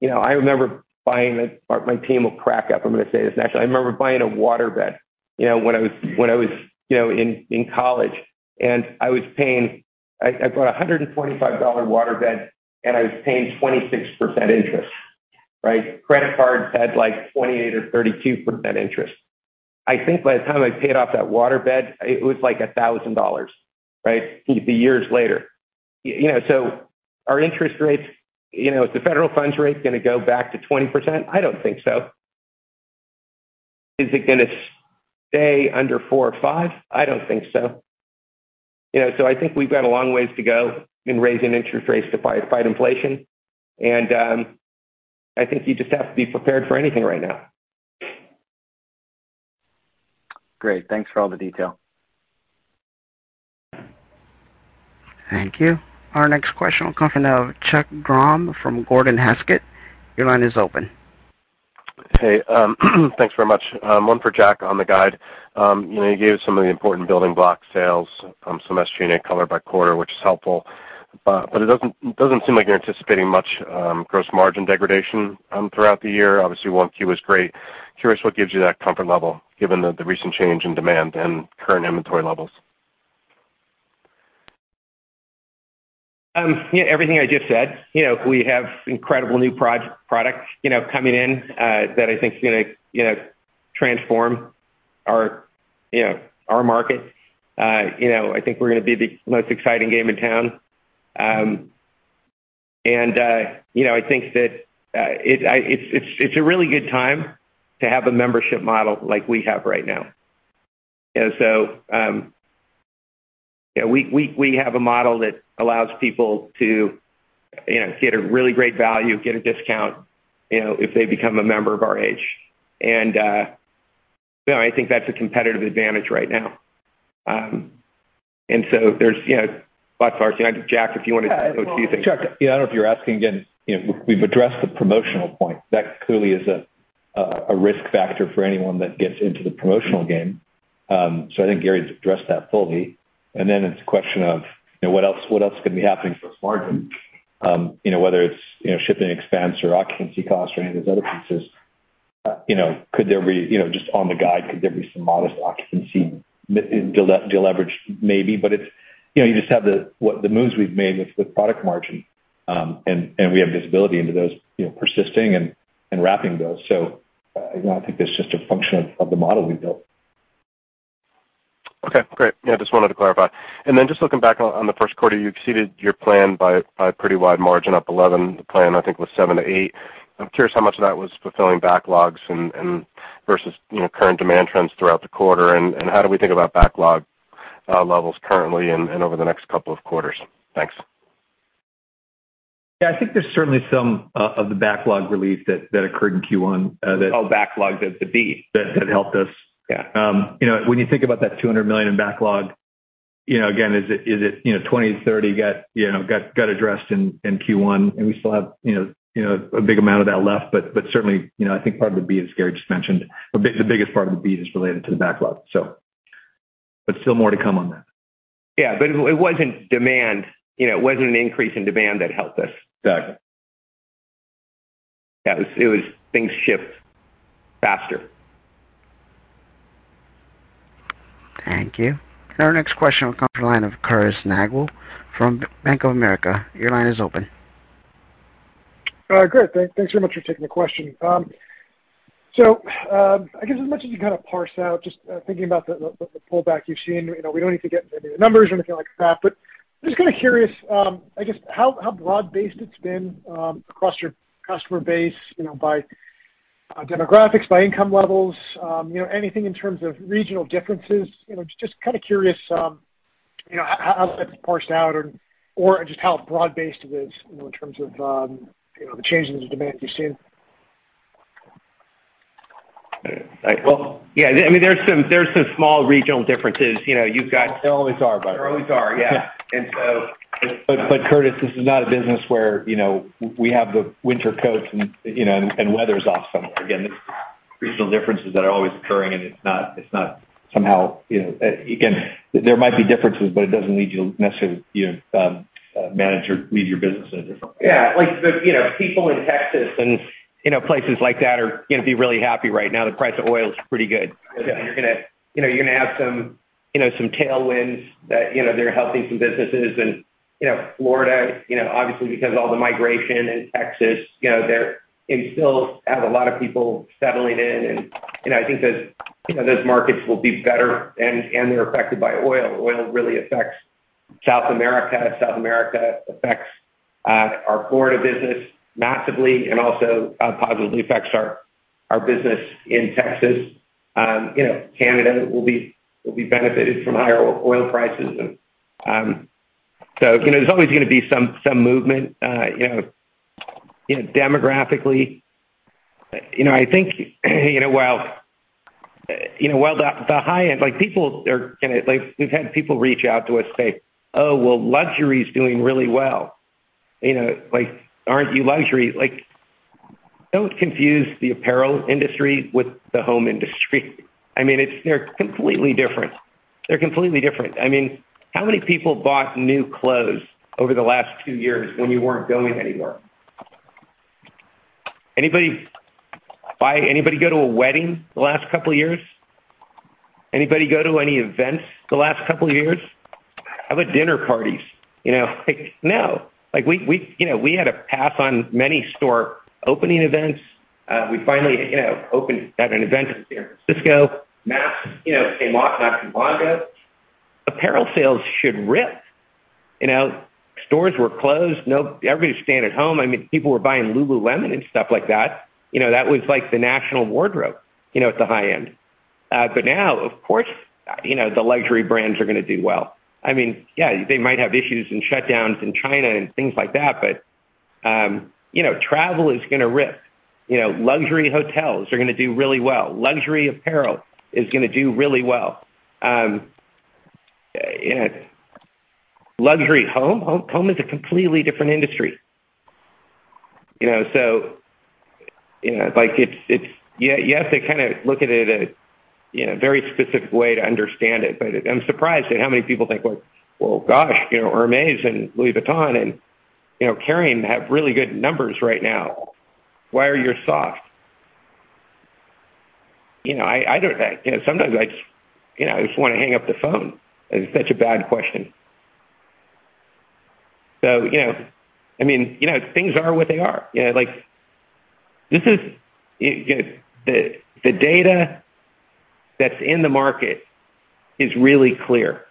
you know, my team will crack up. I'm gonna say this actually. I remember buying a water bed, you know, when I was in college, and I was paying. I bought a $125 water bed, and I was paying 26% interest, right? Credit cards had, like, 28% or 32% interest. I think by the time I paid off that water bed, it was like $1,000, right? Years later. You know, are interest rates, you know, is the federal funds rate gonna go back to 20%? I don't think so. Is it gonna stay under 4 or 5? I don't think so. You know, I think we've got a long ways to go in raising interest rates to fight inflation. I think you just have to be prepared for anything right now. Great. Thanks for all the detail. Thank you. Our next question will come from Chuck Grom from Gordon Haskett. Your line is open. Hey, thanks very much. One for Jack on the guide. You know, you gave us some of the important building block sales from segment unit color by quarter, which is helpful. It doesn't seem like you're anticipating much gross margin degradation throughout the year. Obviously, 1Q is great. Curious what gives you that comfort level given the recent change in demand and current inventory levels. Yeah, everything I just said. You know, we have incredible new products, you know, coming in, that I think is gonna, you know, transform our, you know, our market. You know, I think we're gonna be the most exciting game in town. You know, I think that it's a really good time to have a membership model like we have right now. You know, we have a model that allows people to, you know, get a really great value, get a discount, you know, if they become a member of RH. You know, I think that's a competitive advantage right now. There's, you know, lots of RFC. Jack, if you wanna- Well, Chuck, yeah, I don't know if you're asking again. You know, we've addressed the promotional point. That clearly is a risk factor for anyone that gets into the promotional game. So I think Gary's addressed that fully. Then it's a question of, you know, what else can be happening for margin, you know, whether it's shipping expense or occupancy costs or any of those other pieces. You know, could there be, you know, just on the guide, some modest occupancy deleveraged? Maybe. It's, you know, you just have the moves we've made with product margin, and we have visibility into those, you know, persisting and ramping those. You know, I think that's just a function of the model we've built. Okay, great. Yeah, just wanted to clarify. Then just looking back on the first quarter, you exceeded your plan by a pretty wide margin, up 11%. The plan, I think, was 7%-8%. I'm curious how much of that was fulfilling backlogs and versus, you know, current demand trends throughout the quarter. How do we think about backlog levels currently and over the next couple of quarters? Thanks. Yeah. I think there's certainly some of the backlog relief that occurred in Q1, that You call backlogs as the beat. That helped us. Yeah. You know, when you think about that $200 million in backlog, you know, again, is it $20 million-$30 million got addressed in Q1, and we still have, you know, a big amount of that left. Certainly, you know, I think part of the beat, as Gary just mentioned, the biggest part of the beat is related to the backlog. Still more to come on that. Yeah. It wasn't demand, you know, it wasn't an increase in demand that helped us. Exactly. Yeah. It was things shipped faster. Thank you. Our next question will come from the line of Curtis Nagle from Bank of America. Your line is open. Great. Thanks very much for taking the question. So, I guess as much as you kind of parse out, just thinking about the pullback you've seen, you know, we don't need to get into the numbers or anything like that, but just kinda curious, I guess how broad-based it's been across your customer base, you know, by demographics, by income levels, you know, anything in terms of regional differences. You know, just kinda curious, you know, how that's parsed out or just how broad-based it is, you know, in terms of the changes in demand you've seen. Well, yeah. I mean, there's some small regional differences. You know, you've got. There always are. There always are, yeah. Yeah. And so- Curtis, this is not a business where, you know, we have the winter coats and, you know, weather's awesome. Again, it's regional differences that are always occurring, and it's not somehow, you know. Again, there might be differences, but it doesn't lead you to necessarily, you know, manage or lead your business in a different way. Yeah. Like, but you know, people in Texas and you know, places like that are gonna be really happy right now. The price of oil is pretty good. Yeah. You know, you're gonna have some, you know, some tailwinds that, you know, they're helping some businesses. You know, Florida, you know, obviously because of all the migration, and Texas, you know, and still have a lot of people settling in. You know, I think those, you know, those markets will be better and they're affected by oil. Oil really affects South America. South America affects our Florida business massively and also positively affects our business in Texas. You know, Canada will be benefited from higher oil prices. You know, there's always gonna be some movement, you know, demographically. You know, I think, you know, while the high-end like people are gonna like we've had people reach out to us say, "Oh, well, luxury is doing really well. You know, like, aren't you luxury? Like, don't confuse the apparel industry with the home industry. I mean, they're completely different. I mean, how many people bought new clothes over the last two years when we weren't going anywhere? Anybody go to a wedding the last couple of years? Anybody go to any events the last couple of years? How about dinner parties? You know, like, no. Like we had to pass on many store opening events. We finally, you know, opened at an event in San Francisco. Masks, you know, came off. Mask mandates. Apparel sales should rip. You know, stores were closed. No. Everybody's staying at home. I mean, people were buying Lululemon and stuff like that. You know, that was like the national wardrobe, you know, at the high end. Now, of course, you know, the luxury brands are gonna do well. I mean, yeah, they might have issues and shutdowns in China and things like that, but, you know, travel is gonna rip. You know, luxury hotels are gonna do really well. Luxury apparel is gonna do really well. You know, luxury home is a completely different industry. You know, so, you know, like it's. You have to kinda look at it, you know, very specific way to understand it. I'm surprised at how many people think, like, well, gosh, you know, Hermès and Louis Vuitton and, you know, Cartier have really good numbers right now. Why are you soft? You know, I don't. You know, sometimes I just, you know, wanna hang up the phone. It's such a bad question. You know, I mean, you know, things are what they are. You know, like, this is the data that's in the market is really clear.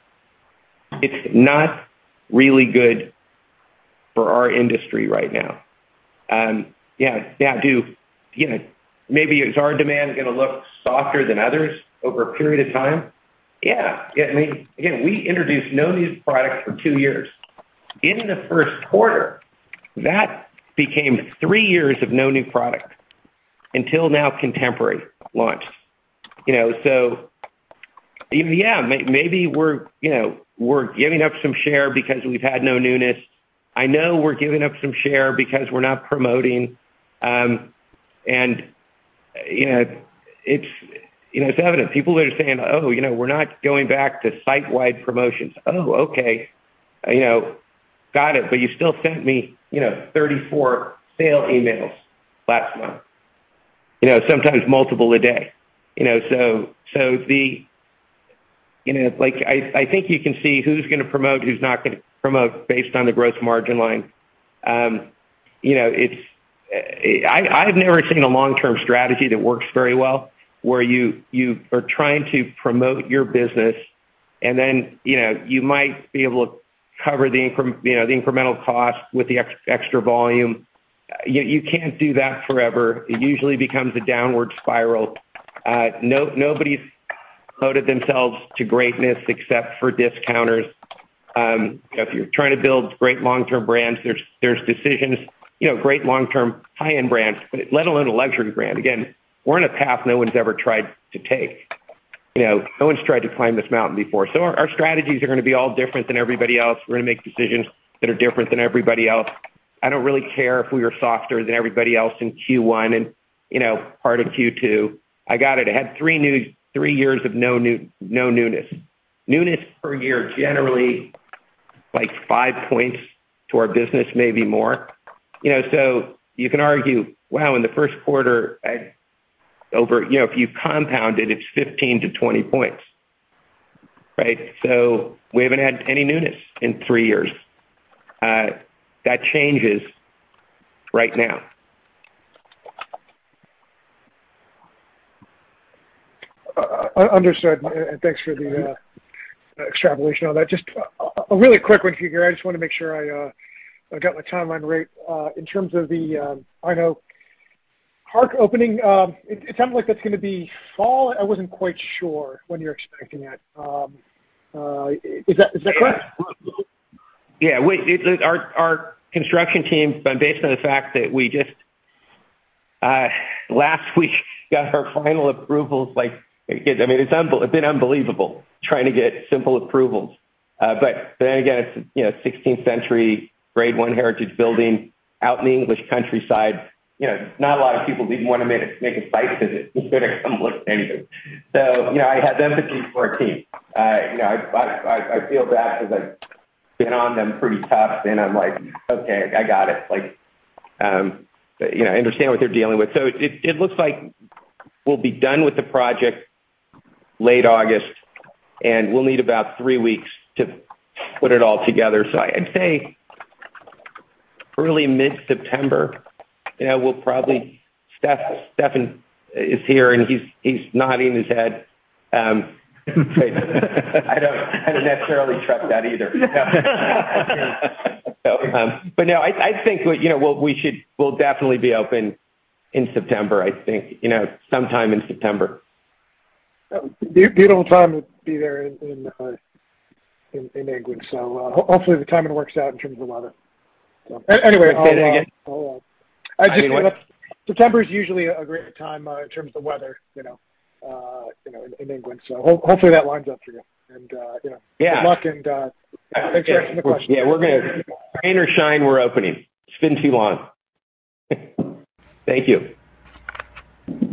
It's not really good for our industry right now. You know, maybe is our demand gonna look softer than others over a period of time? Yeah. I mean, again, we introduced no new products for two years. In the first quarter, that became three years of no new product until now Contemporary launch. You know, yeah, maybe we're, you know, we're giving up some share because we've had no newness. I know we're giving up some share because we're not promoting, and, you know, it's evident. People are saying, "Oh, you know, we're not going back to site-wide promotions." Oh, okay. You know, got it. You still sent me, you know, 34 sale emails last month. You know, sometimes multiple a day. You know, so the. You know, like I think you can see who's gonna promote, who's not gonna promote based on the growth margin line. You know, it's. I've never seen a long-term strategy that works very well where you are trying to promote your business, and then, you know, you might be able to cover the incremental cost with the extra volume. You can't do that forever. It usually becomes a downward spiral. Nobody's promoted themselves to greatness except for discounters. If you're trying to build great long-term brands, there's decisions, you know, great long-term high-end brands, let alone a luxury brand. Again, we're on a path no one's ever tried to take. You know, no one's tried to climb this mountain before. Our strategies are gonna be all different than everybody else. We're gonna make decisions that are different than everybody else. I don't really care if we are softer than everybody else in Q1 and, you know, part of Q2. I got it. I had three years of no newness. Newness per year, generally, like five points to our business, maybe more. You know, you can argue, wow, in the first quarter. You know, if you compound it's 15-20 points, right? We haven't had any newness in three years. That changes right now. Understood. Thanks for the extrapolation on that. Just a really quick one here. I just wanna make sure I got my timeline right. In terms of the Aynho Park opening, it sounds like that's gonna be fall. I wasn't quite sure when you're expecting it. Is that correct? Our construction team, based on the fact that we just last week got our final approvals, like, again, I mean, it's been unbelievable trying to get simple approvals. It's sixteenth century grade one heritage building out in the English countryside. Not a lot of people even wanna make a site visit, let alone come look at anything. I have empathy for our team. I feel bad because I've been on them pretty tough, and I'm like, "Okay, I got it." I understand what they're dealing with. It looks like we'll be done with the project late August, and we'll need about three weeks to put it all together. I'd say early mid-September we'll probably Stefan is here, and he's nodding his head. I don't necessarily trust that either. No, I think, you know, we'll definitely be open in September, I think, you know, sometime in September. Beautiful time to be there in England. Hopefully the timing works out in terms of weather. September is usually a great time in terms of weather, you know, in England. Hopefully that lines up for you. Yeah. Good luck and, thanks for taking the question. Yeah. Rain or shine, we're opening. It's been too long. Thank you.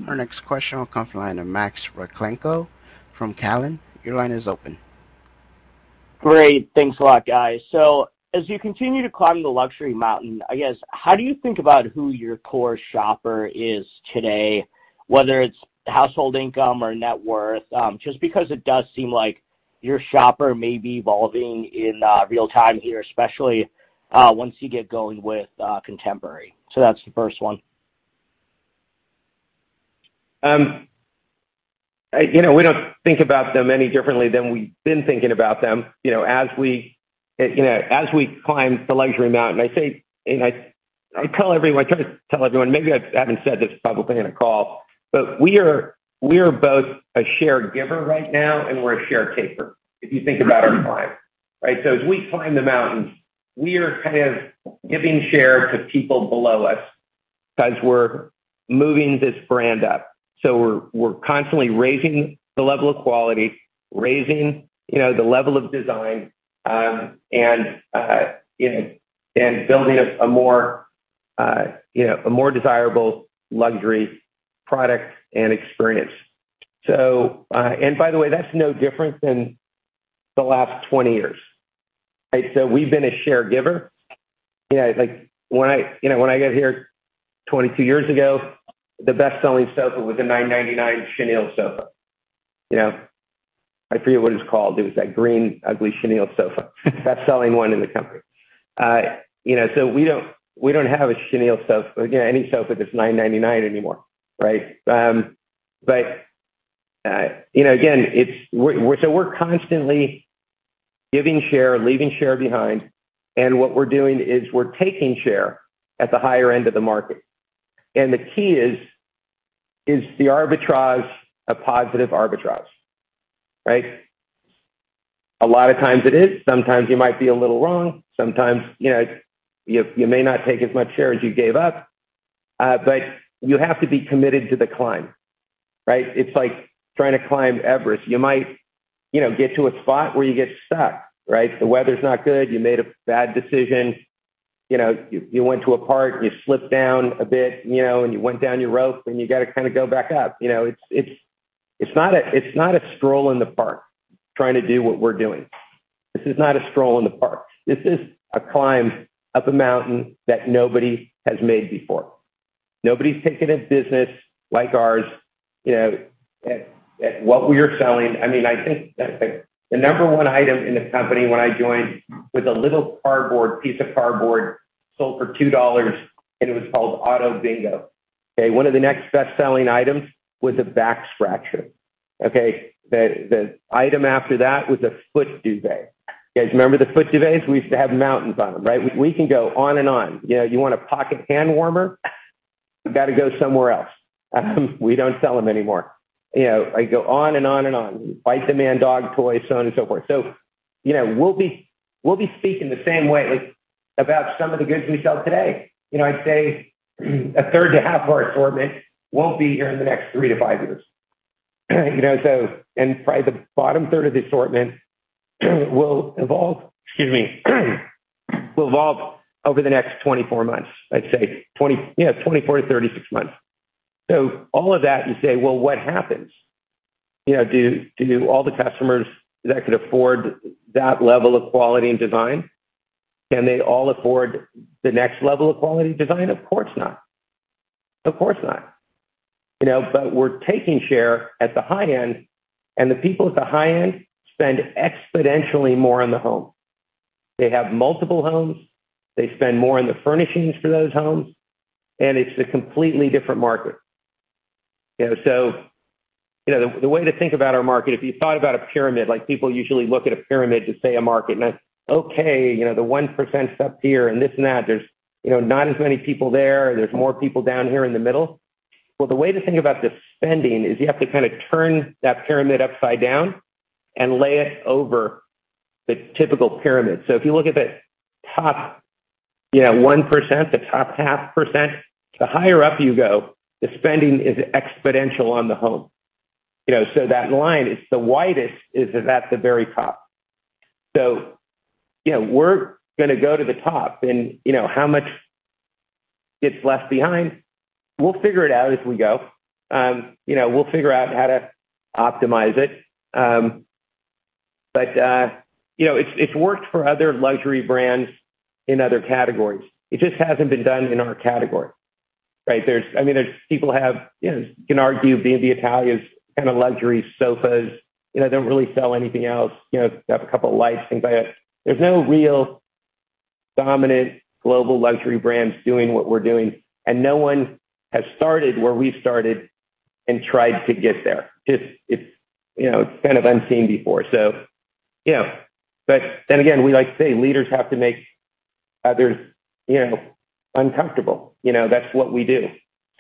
Our next question will come from the line of Max Rakhlenko from Cowen. Your line is open. Great. Thanks a lot, guys. As you continue to climb the luxury mountain, I guess, how do you think about who your core shopper is today, whether it's household income or net worth? Just because it does seem like your shopper may be evolving in real time here, especially once you get going with contemporary. That's the first one. You know, we don't think about them any differently than we've been thinking about them. You know, as we climb the luxury mountain, I say, I tell everyone, maybe I haven't said this probably in a call, but we are both a share giver right now, and we're a share taker, if you think about our climb, right? As we climb the mountain, we are kind of giving share to people below us as we're moving this brand up. We're constantly raising the level of quality, raising the level of design, and building a more desirable luxury product and experience. By the way, that's no different than the last 20 years. Right? We've been a share giver. You know, like, when I got here 22 years ago, the best-selling sofa was a $999 chenille sofa. You know? I forget what it's called. It was that green, ugly chenille sofa. Best-selling one in the company. You know, we don't have a chenille sofa, you know, any sofa that's $999 anymore, right? But you know, again, it's. We're constantly giving share, leaving share behind, and what we're doing is we're taking share at the higher end of the market. The key is the arbitrage a positive arbitrage, right? A lot of times it is. Sometimes you might be a little wrong. Sometimes, you know, you may not take as much share as you gave up, but you have to be committed to the climb, right? It's like trying to climb Everest. You might, you know, get to a spot where you get stuck, right? The weather's not good. You made a bad decision. You know, you went to a part, you slipped down a bit, you know, and you went down your rope, and you gotta kinda go back up. You know, it's not a stroll in the park trying to do what we're doing. This is not a stroll in the park. This is a climb up a mountain that nobody has made before. Nobody's taken a business like ours, you know, at what we are selling. I mean, I think the number one item in the company when I joined was a little cardboard piece of cardboard, sold for $2, and it was called Auto Bingo. Okay. One of the next best-selling items was a back scratcher. Okay? The item after that was a foot duvet. You guys remember the foot duvets? We used to have mountains on them, right? We can go on and on. You know, you want a pocket hand warmer? You gotta go somewhere else. We don't sell them anymore. You know, I go on and on and on. Bite the Man dog toy, so on and so forth. You know, we'll be speaking the same way, like, about some of the goods we sell today. You know, I'd say a third to half of our assortment won't be here in the next 3-5 years. Probably the bottom third of the assortment will evolve over the next 24 months. I'd say 24-36 months. All of that, you say, "Well, what happens?" You know, do all the customers that could afford that level of quality and design, can they all afford the next level of quality design? Of course not. You know? We're taking share at the high end, and the people at the high end spend exponentially more on the home. They have multiple homes. They spend more on the furnishings for those homes, and it's a completely different market. You know, the way to think about our market, if you thought about a pyramid, like people usually look at a pyramid to say a market, and that's okay, you know, the one percent's up here and this and that. There's, you know, not as many people there. There's more people down here in the middle. Well, the way to think about the spending is you have to kinda turn that pyramid upside down and lay it over the typical pyramid. So if you look at the top, you know, one percent, the top half percent, the higher up you go, the spending is exponential on the home. You know, so that line is the widest is at the very top. You know, we're gonna go to the top and, you know, how much gets left behind, we'll figure it out as we go. You know, we'll figure out how to optimize it. You know, it's worked for other luxury brands in other categories. It just hasn't been done in our category, right? I mean, there's people who, you know, you can argue B&B Italia's kind of luxury sofas, you know, they don't really sell anything else, you know, they have a couple of lights, things like that. There's no real dominant global luxury brands doing what we're doing, and no one has started where we started and tried to get there. It's, you know, kind of unseen before. You know, but then again, we like to say leaders have to make others, you know, uncomfortable. You know, that's what we do.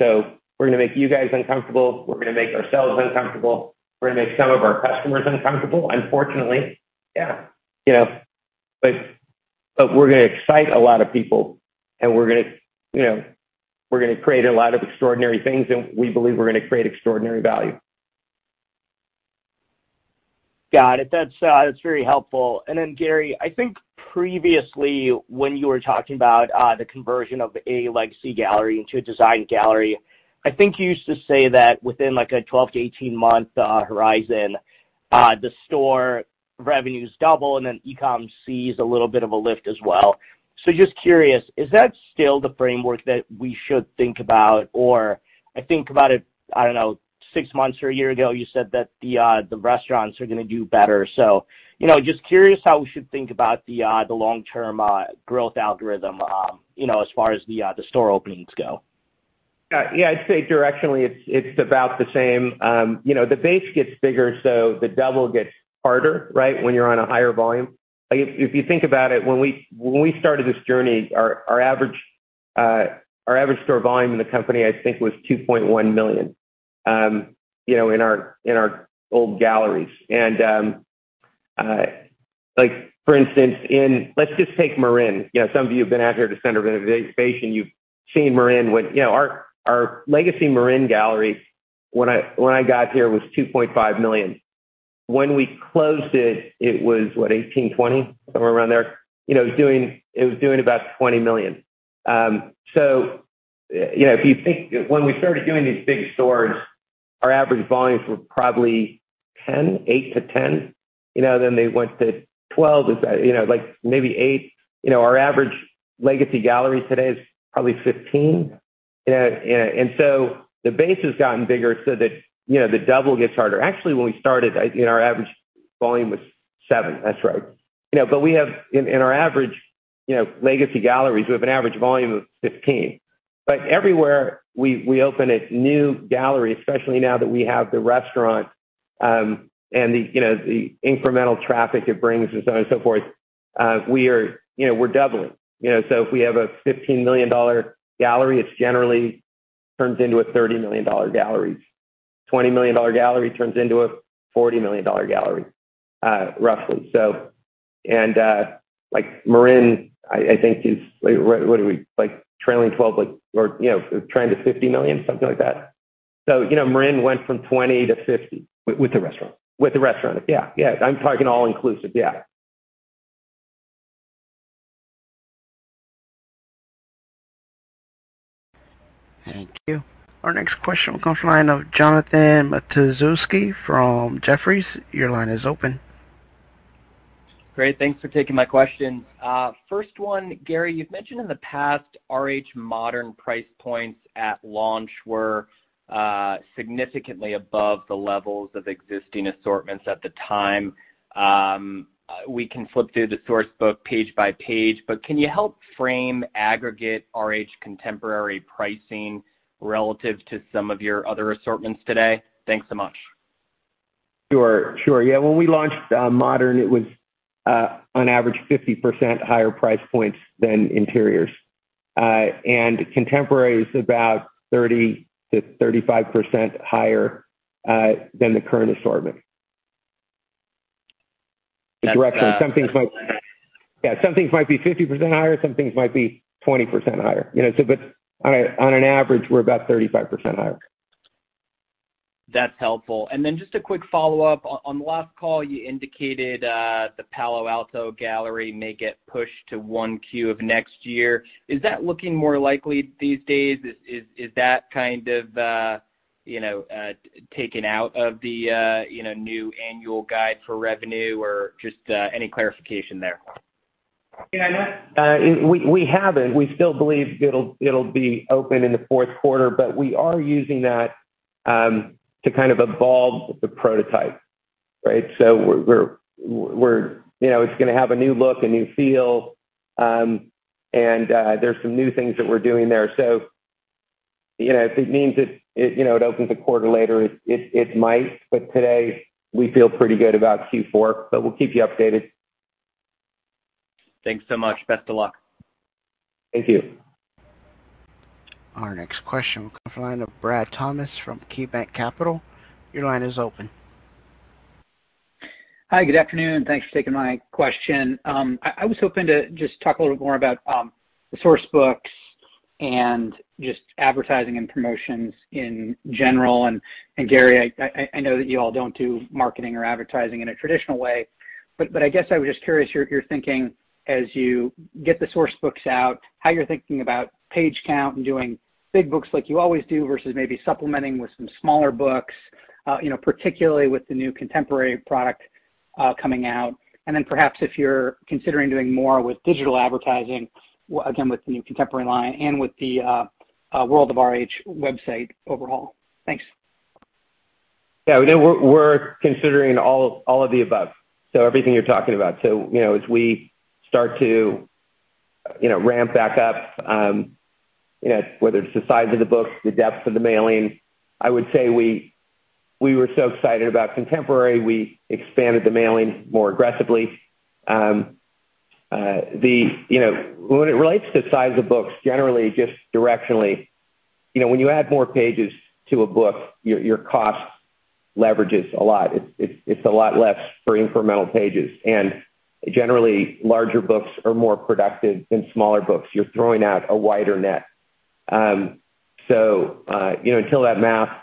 We're gonna make you guys uncomfortable. We're gonna make ourselves uncomfortable. We're gonna make some of our customers uncomfortable, unfortunately. Yeah. You know, but we're gonna excite a lot of people and we're gonna, you know, we're gonna create a lot of extraordinary things, and we believe we're gonna create extraordinary value. Got it. That's very helpful. Gary, I think previously when you were talking about the conversion of a legacy gallery into a design gallery, I think you used to say that within like a 12- to 18-month horizon the store revenues double and then e-com sees a little bit of a lift as well. Just curious, is that still the framework that we should think about? I think about it, I don't know, 6 months or a year ago, you said that the restaurants are gonna do better. You know, just curious how we should think about the long-term growth algorithm you know as far as the store openings go. Yeah, I'd say directionally it's about the same. You know, the base gets bigger, so the double gets harder, right? When you're on a higher volume. Like if you think about it, when we started this journey, our average store volume in the company, I think was $2.1 million, you know, in our old galleries. Like for instance, in. Let's just take Marin. You know, some of you have been out here to Center of Innovation. You've seen Marin when. You know, our legacy Marin gallery when I got here was $2.5 million. When we closed it was, what? 18-20, somewhere around there. You know, it was doing about $20 million. You know, if you think when we started doing these big stores, our average volumes were probably 10, 8-10. You know, then they went to 12. You know, like maybe 8. You know, our average legacy gallery today is probably 15. You know, and so the base has gotten bigger so that, you know, the double gets harder. Actually, when we started, I think our average volume was 7. That's right. You know, but in our average legacy galleries, we have an average volume of 15. Everywhere we open a new gallery, especially now that we have the restaurant and you know, the incremental traffic it brings and so on and so forth, you know, we're doubling. You know, if we have a $15 million gallery, it's generally turns into a $30 million gallery. $20 million gallery turns into a $40 million gallery, roughly. Like Marin, I think is, like what are we? Like trailing twelve, you know, trending to $50 million, something like that. You know, Marin went from $20 million to $50 million. With the restaurant. With the restaurant. Yeah. Yeah. I'm talking all inclusive. Yeah. Thank you. Our next question comes from the line of Jonathan Matuszewski from Jefferies. Your line is open. Great. Thanks for taking my question. First one, Gary, you've mentioned in the past RH Modern price points at launch were significantly above the levels of existing assortments at the time. We can flip through the Sourcebook page by page, but can you help frame aggregate RH Contemporary pricing relative to some of your other assortments today? Thanks so much. Sure. Yeah, when we launched Modern, it was on average 50% higher price points than Interiors. Contemporary is about 30%-35% higher than the current assortment. Directionally, some things might That's- Yeah, some things might be 50% higher, some things might be 20% higher. You know, but on an average we're about 35% higher. That's helpful. Then just a quick follow-up. On the last call you indicated the Palo Alto Gallery may get pushed to 1Q of next year. Is that looking more likely these days? Is that kind of you know taken out of the you know new annual guide for revenue or just any clarification there? Yeah, we haven't. We still believe it'll be open in the fourth quarter, but we are using that to kind of evolve the prototype, right? You know, it's gonna have a new look, a new feel, and there's some new things that we're doing there. So, you know, if it means it, you know, it opens a quarter later, it might, but today we feel pretty good about Q4. We'll keep you updated. Thanks so much. Best of luck. Thank you. Our next question comes from the line of Brad Thomas from KeyBanc Capital. Your line is open. Hi, good afternoon, and thanks for taking my question. I was hoping to just talk a little more about the source books and just advertising and promotions in general. Gary, I know that you all don't do marketing or advertising in a traditional way, but I guess I was just curious your thinking as you get the source books out, how you're thinking about page count and doing big books like you always do versus maybe supplementing with some smaller books, you know, particularly with the new contemporary product coming out. Then perhaps if you're considering doing more with digital advertising, again, with the contemporary line and with the World of RH website overhaul. Thanks. Yeah. We're considering all of the above, so everything you're talking about. You know, as we start to, you know, ramp back up, you know, whether it's the size of the book, the depth of the mailing, I would say we were so excited about contemporary. We expanded the mailing more aggressively. You know, when it relates to size of books, generally, just directionally, you know, when you add more pages to a book, your cost leverages a lot. It's a lot less for incremental pages. Generally, larger books are more productive than smaller books. You're throwing out a wider net. You know, until that math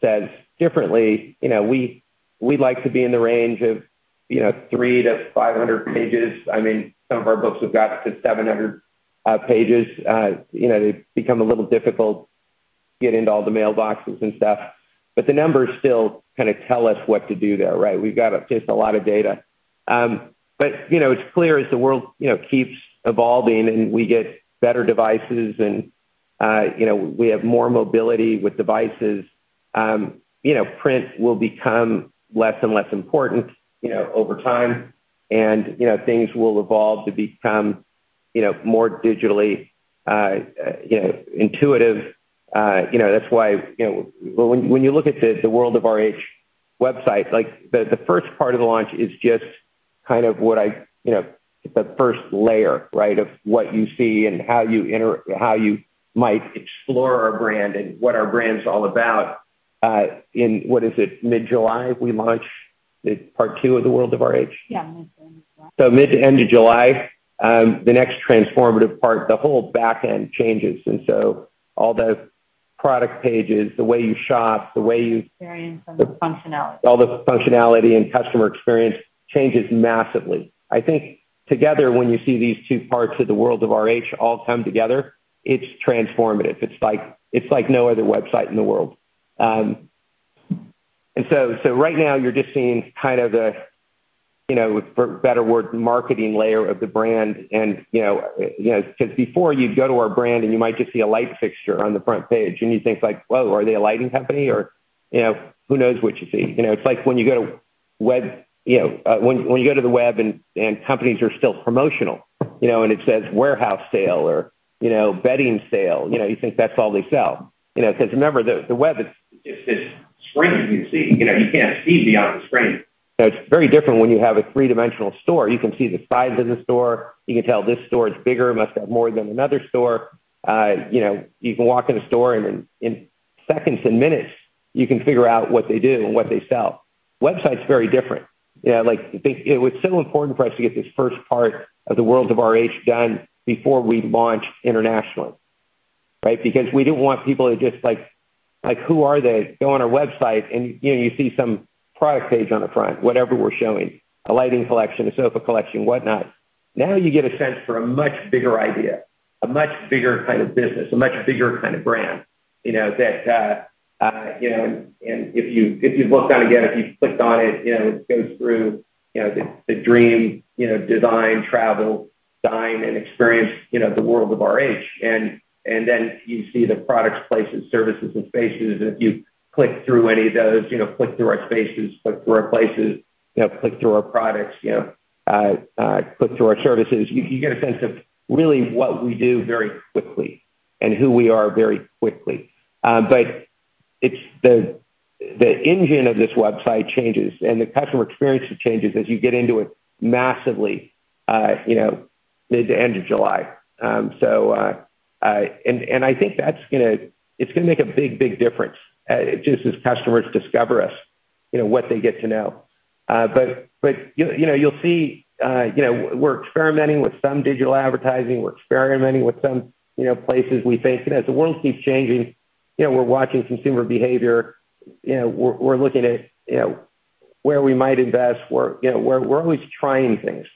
says differently, you know, we like to be in the range of, you know, 300-500 pages. I mean, some of our books have got to 700 pages. You know, they become a little difficult to get into all the mailboxes and stuff, but the numbers still kind of tell us what to do there, right? We've got just a lot of data. But, you know, it's clear as the world keeps evolving and we get better devices and, you know, we have more mobility with devices, you know, print will become less and less important over time. You know, things will evolve to become more digitally intuitive. You know, that's why, you know. When you look at the World of RH website, like, the first part of the launch is just kind of what I you know the first layer, right, of what you see and how you might explore our brand and what our brand's all about. In mid-July we launch part two of the World of RH? Yeah, mid to end of July. Mid to end of July, the next transformative part, the whole back end changes. All the product pages, the way you shop, the way you Experience and the functionality. All the functionality and customer experience changes massively. I think together, when you see these two parts of the World of RH all come together, it's transformative. It's like no other website in the world. So right now you're just seeing kind of the, you know, for want of a better word, marketing layer of the brand. You know, 'cause before you'd go to our brand, and you might just see a light fixture on the front page, and you think like, "Whoa, are they a lighting company?" Or, you know, who knows what you see. You know, it's like when you go to the web and companies are still promotional, you know, and it says, "Warehouse sale," or, you know, "Bedding sale," you know, you think that's all they sell. You know, 'cause remember, the web, it's this screen you see. You know, you can't see beyond the screen. So it's very different when you have a three-dimensional store. You can see the size of the store. You can tell this store is bigger, must have more than another store. You know, you can walk in a store, and in seconds and minutes, you can figure out what they do and what they sell. Website's very different. Yeah, like, it was so important for us to get this first part of the World of RH done before we launched internationally, right? Because we didn't want people to just like, "Who are they?" Go on our website, and, you know, you see some product page on the front, whatever we're showing, a lighting collection, a sofa collection, whatnot. Now you get a sense for a much bigger idea, a much bigger kind of business, a much bigger kind of brand, you know, that, if you've looked on again, if you've clicked on it, you know, it goes through, you know, the dream, you know, design, travel, dine, and experience, you know, the World of RH. Then you see the products, places, services, and spaces. If you click through any of those, you know, click through our spaces, click through our places, you know, click through our products, you know, click through our services, you get a sense of really what we do very quickly and who we are very quickly. It's the engine of this website changes, and the customer experience changes as you get into it massively, you know, mid to end of July. I think it's gonna make a big difference, just as customers discover us, you know, what they get to know. You know, you'll see, you know, we're experimenting with some digital advertising. We're experimenting with some, you know, places we think. You know, as the world keeps changing, you know, we're watching consumer behavior. You know, we're looking at, you know, where we might invest. We're always trying things.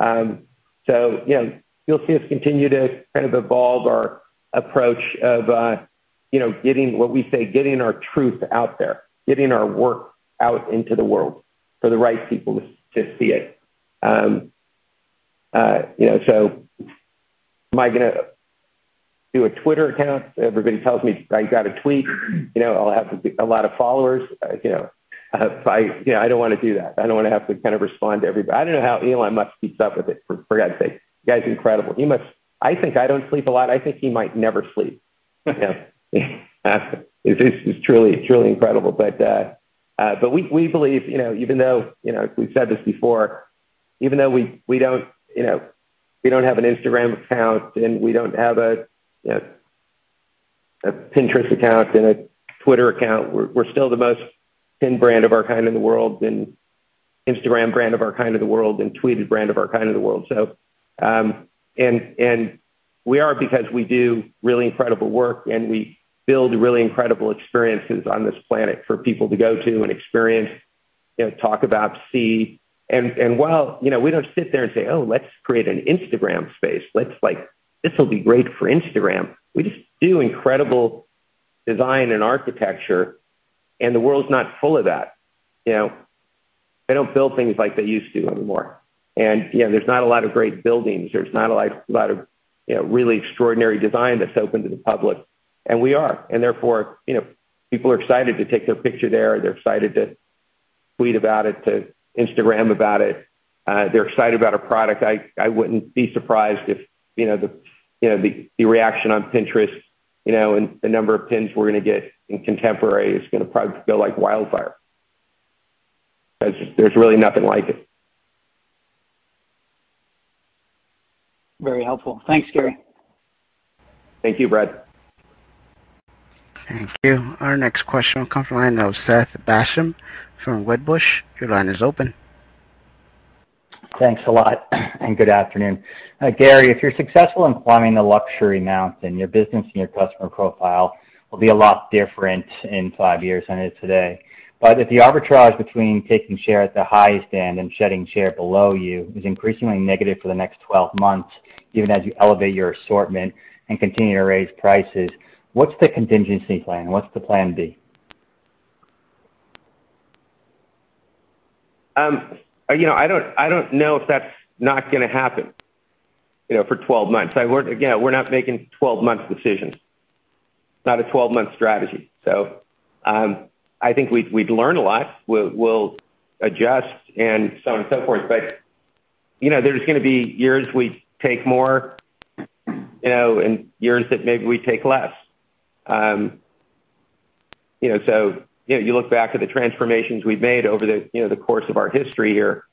You know, you'll see us continue to kind of evolve our approach of, you know, getting what we say, getting our truth out there, getting our work out into the world for the right people to see it. You know, am I gonna do a X account? Everybody tells me I gotta tweet. You know, I'll have to get a lot of followers. You know, I don't wanna do that. I don't wanna have to kind of respond to every. I don't know how Elon Musk keeps up with it, for God's sake. The guy's incredible. He must. I think I don't sleep a lot. I think he might never sleep. You know? It's truly incredible. We believe, you know, even though, you know, we've said this before, even though we don't, you know, we don't have an Instagram account, and we don't have a Pinterest account and a X account, we're still the most pinned brand of our kind in the world and Instagram brand of our kind in the world and tweeted brand of our kind in the world. We are because we do really incredible work, and we build really incredible experiences on this planet for people to go to and experience, you know, talk about, see. While, you know, we don't sit there and say, "Oh, let's create an Instagram space. Let's like this will be great for Instagram." We just do incredible design and architecture, and the world's not full of that. You know, they don't build things like they used to anymore. You know, there's not a lot of great buildings. There's not a lot of, you know, really extraordinary design that's open to the public, and we are. Therefore, you know, people are excited to take their picture there. They're excited to tweet about it, to Instagram about it. They're excited about our product. I wouldn't be surprised if, you know, the reaction on Pinterest, you know, and the number of pins we're gonna get in Contemporary is gonna probably feel like wildfire 'cause there's really nothing like it. Very helpful. Thanks, Gary. Thank you, Brad. Thank you. Our next question will come from the line of Seth Basham from Wedbush. Your line is open. Thanks a lot, and good afternoon. Gary, if you're successful in climbing the luxury mountain, your business and your customer profile will be a lot different in five years than it is today. If the arbitrage between taking share at the highest end and shedding share below you is increasingly negative for the next 12 months, even as you elevate your assortment and continue to raise prices, what's the contingency plan? What's the plan B? You know, I don't know if that's not gonna happen, you know, for 12 months. Again, we're not making 12-month decisions, not a 12-month strategy. I think we'd learn a lot. We'll adjust and so on and so forth. You know, there's gonna be years we take more, you know, and years that maybe we take less. You know, you look back at the transformations we've made over the, you know, the course of our history here.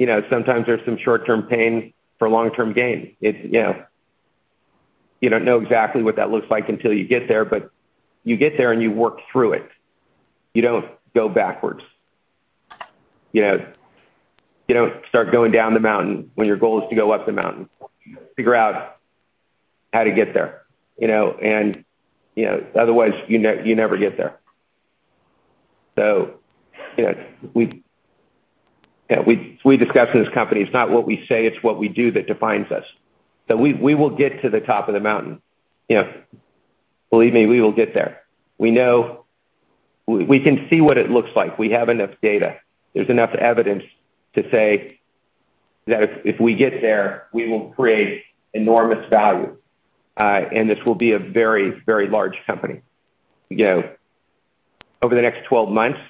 You know, sometimes there's some short-term pain for long-term gain. You know, you don't know exactly what that looks like until you get there, but you get there, and you work through it. You don't go backwards. You know, you don't start going down the mountain when your goal is to go up the mountain. Figure out how to get there, you know? You know, otherwise, you never get there. You know, we discuss in this company, it's not what we say, it's what we do that defines us. We will get to the top of the mountain. You know, believe me, we will get there. We know. We can see what it looks like. We have enough data. There's enough evidence to say that if we get there, we will create enormous value. This will be a very, very large company. You know, over the next 12 months,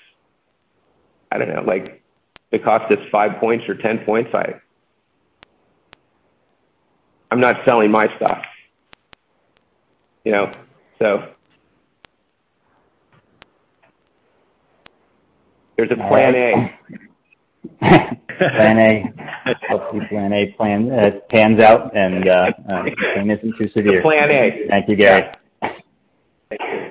I don't know, like, the cost is five points or 10 points. I'm not selling my stuff, you know. There's a plan A. Plan A. Hope your Plan A pans out and the pain isn't too severe. Plan A. Thank you, Gary. Thank you.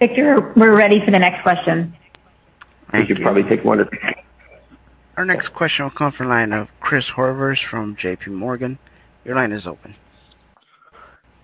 Victor, we're ready for the next question. We could probably take one or two. Our next question will come from the line of Christopher Horvers from JPMorgan. Your line is open.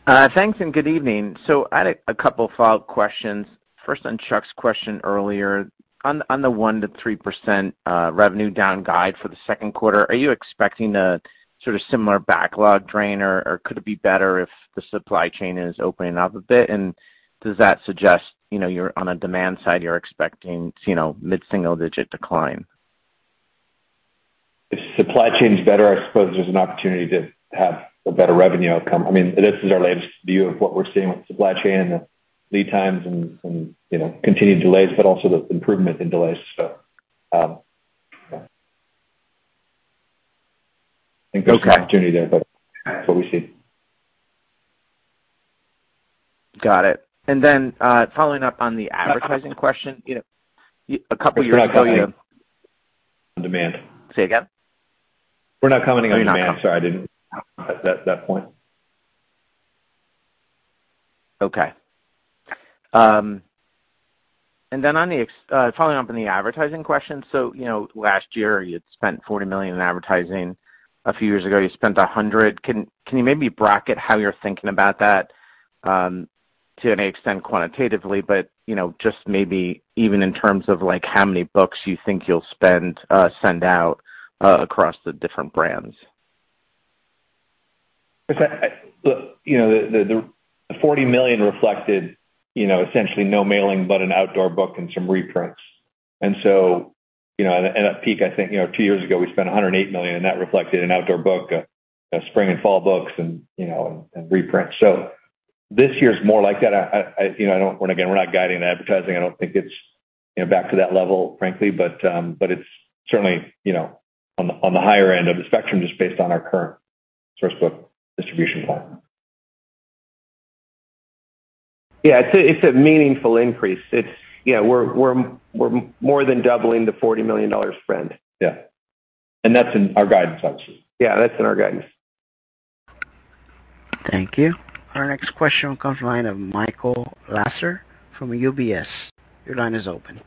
Thanks, and good evening. I had a couple of follow-up questions. First, on Chuck's question earlier. On the 1%-3% revenue down guide for the second quarter, are you expecting a sort of similar backlog drain, or could it be better if the supply chain is opening up a bit? And does that suggest, you know, you're on a demand side, you're expecting, you know, mid-single-digit decline? If supply chain's better, I suppose there's an opportunity to have a better revenue outcome. I mean, this is our latest view of what we're seeing with supply chain and the lead times and, you know, continued delays, but also the improvement in delays. Yeah. Okay. I think there's some opportunity there, but that's what we see. Got it. Following up on the advertising question. You know, a couple years ago, you- We're not commenting on demand. Say again? We're not commenting on demand. At that point. Okay. Following up on the advertising question. You know, last year you had spent $40 million in advertising. A few years ago, you spent $100 million. Can you maybe bracket how you're thinking about that to any extent quantitatively, but you know, just maybe even in terms of, like, how many bucks you think you'll spend send out across the different brands? Look, you know, the $40 million reflected, you know, essentially no mailing but an outdoor book and some reprints. You know, at a peak, I think, you know, two years ago, we spent $108 million, and that reflected an outdoor book, you know, spring and fall books and reprints. This year is more like that. I, you know, I don't wanna. Again, we're not guiding advertising. I don't think it's, you know, back to that level, frankly. It's certainly, you know, on the higher end of the spectrum just based on our current source book distribution plan. Yeah, it's a meaningful increase. You know, we're more than doubling the $40 million spend. Yeah. That's in our guidance, obviously. Yeah, that's in our guidance. Thank you. Our next question comes from the line of Michael Lasser from UBS. Your line is open.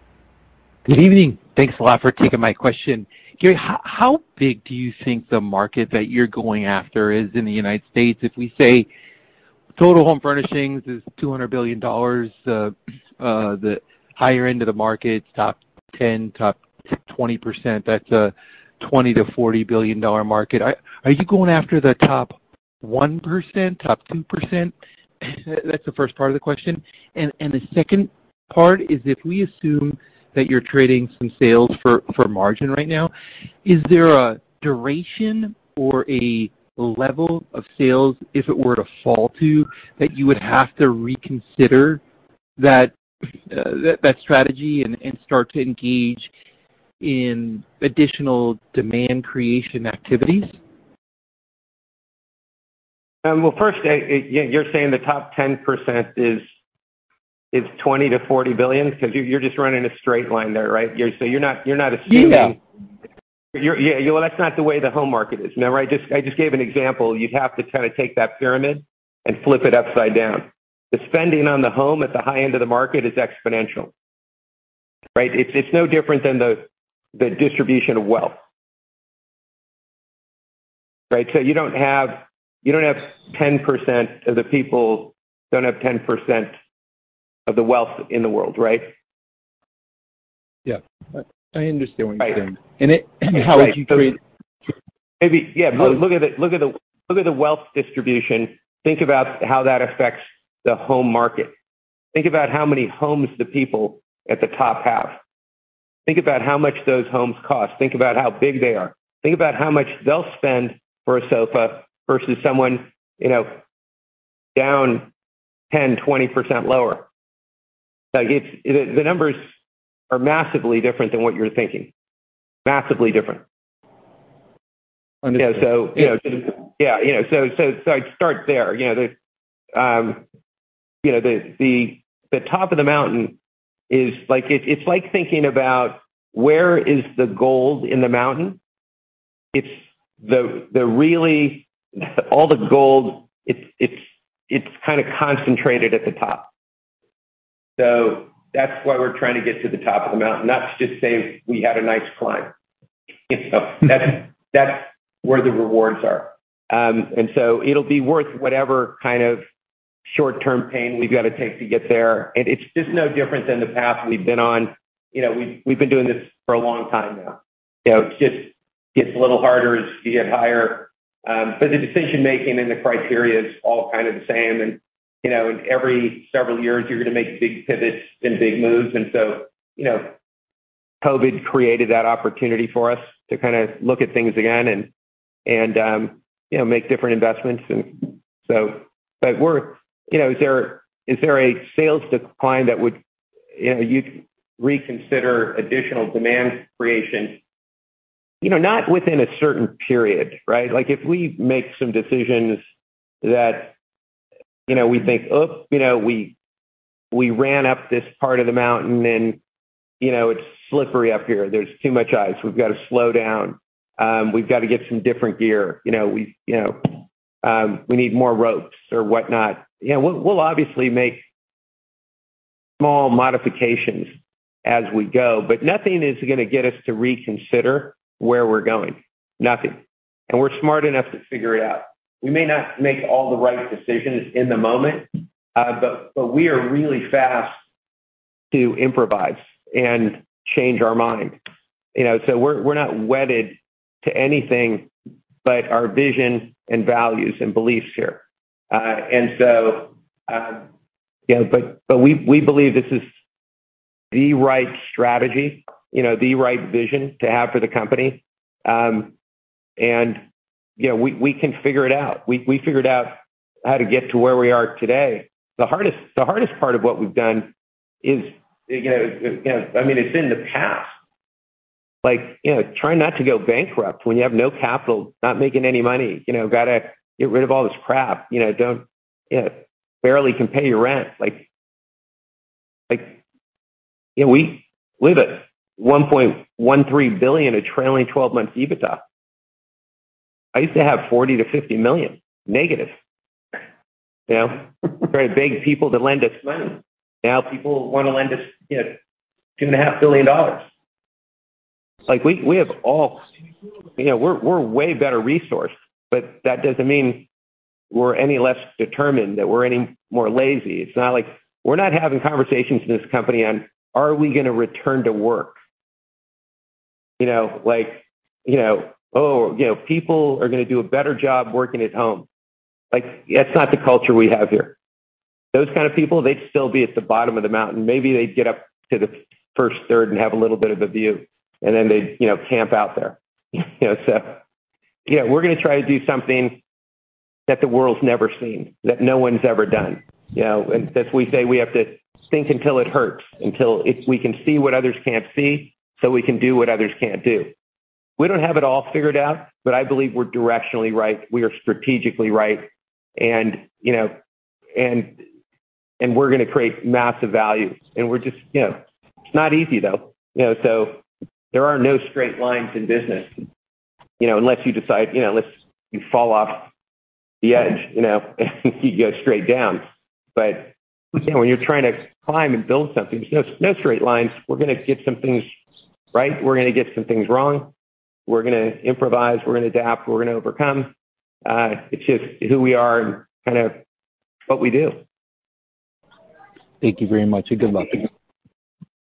Good evening. Thanks a lot for taking my question. Gary, how big do you think the market that you're going after is in the United States if we say total home furnishings is $200 billion. The higher end of the markets, top 10, top 20%, that's a $20 billion-$40 billion market. Are you going after the top 1%, top 2%? That's the first part of the question. The second part is if we assume that you're trading some sales for margin right now, is there a duration or a level of sales, if it were to fall to, that you would have to reconsider that strategy and start to engage in additional demand creation activities? Well, first, you're saying the top 10% is $20 billion-$40 billion because you're just running a straight line there, right? You're not assuming- Yeah. Well, that's not the way the home market is. Now I just gave an example. You'd have to kinda take that pyramid and flip it upside down. The spending on the home at the high end of the market is exponential, right? It's no different than the distribution of wealth, right? You don't have 10% of the people don't have 10% of the wealth in the world, right? Yeah. I understand what you're saying. Right. How would you create- Maybe, yeah. Look at the wealth distribution. Think about how that affects the home market. Think about how many homes the people at the top have. Think about how much those homes cost. Think about how big they are. Think about how much they'll spend for a sofa versus someone, you know, down 10, 20% lower. Like, it's. The numbers are massively different than what you're thinking. Massively different. Understood. Yeah. So, you know, yeah. You know, so start there. You know, the top of the mountain is like. It's like thinking about where is the gold in the mountain. It's the really all the gold, it's kinda concentrated at the top. That's why we're trying to get to the top of the mountain, not to just say we had a nice climb. You know, that's where the rewards are. It'll be worth whatever kind of short-term pain we've got to take to get there. It's just no different than the path we've been on. You know, we've been doing this for a long time now. You know, it just gets a little harder as you get higher. The decision-making and the criteria is all kind of the same. You know, every several years you're gonna make big pivots and big moves. You know, COVID created that opportunity for us to kinda look at things again and you know, make different investments. You know, is there a sales decline that would, you know, you'd reconsider additional demand creation? You know, not within a certain period, right? Like, if we make some decisions that, you know, we think, "Oh, you know, we ran up this part of the mountain and, you know, it's slippery up here. There's too much ice. We've got to slow down. We've got to get some different gear. You know, you know, we need more ropes or whatnot." You know, we'll obviously make small modifications as we go, but nothing is gonna get us to reconsider where we're going. Nothing. We're smart enough to figure it out. We may not make all the right decisions in the moment, but we are really fast to improvise and change our mind. You know, we're not wedded to anything but our vision and values and beliefs here. You know, but we believe this is the right strategy, you know, the right vision to have for the company. You know, we can figure it out. We figured out how to get to where we are today. The hardest part of what we've done is, you know, I mean, it's been the past. Like, you know, try not to go bankrupt when you have no capital, not making any money. You know, gotta get rid of all this crap. You know, barely can pay your rent. Like, you know, we live at $1.13 billion, a trailing twelve-month EBITDA. I used to have $40 million-$50 million negative. You know? We're gonna beg people to lend us money. Now people wanna lend us, you know, $2.5 billion. Like, we have all. You know, we're way better resourced, but that doesn't mean we're any less determined, that we're any more lazy. It's not like we're not having conversations in this company on are we gonna return to work? You know, like, you know, oh, you know, people are gonna do a better job working at home. Like, that's not the culture we have here. Those kind of people, they'd still be at the bottom of the mountain. Maybe they'd get up to the first third and have a little bit of a view, and then they'd, you know, camp out there. Yeah, we're gonna try to do something that the world's never seen, that no one's ever done. You know, and as we say, we have to think until it hurts, until it's we can see what others can't see, so we can do what others can't do. We don't have it all figured out, but I believe we're directionally right. We are strategically right. You know, and we're gonna create massive value. We're just. You know, it's not easy though. You know, there are no straight lines in business, you know, unless you decide, you know, unless you fall off the edge, you know, and you go straight down. You know, when you're trying to climb and build something, there's no straight lines. We're gonna get some things right. We're gonna get some things wrong. We're gonna improvise. We're gonna adapt. We're gonna overcome. It's just who we are and kind of what we do. Thank you very much, and good luck.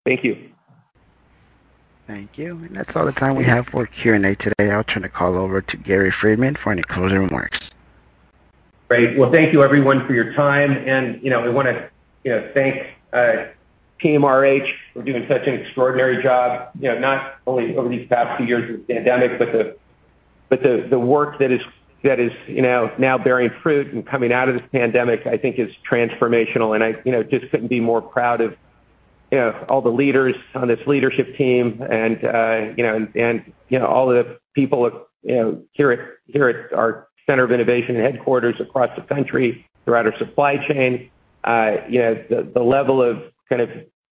Thank you. Thank you. That's all the time we have for Q&A today. I'll turn the call over to Gary Friedman for any closing remarks. Great. Well, thank you everyone for your time. You know, I wanna, you know, thank Team RH for doing such an extraordinary job, you know, not only over these past few years of the pandemic, but the work that is, you know, now bearing fruit and coming out of this pandemic, I think is transformational. I, you know, just couldn't be more proud of, you know, all the leaders on this leadership team and, you know, all the people of, you know, here at our center of innovation headquarters across the country, throughout our supply chain. You know, the level of kind of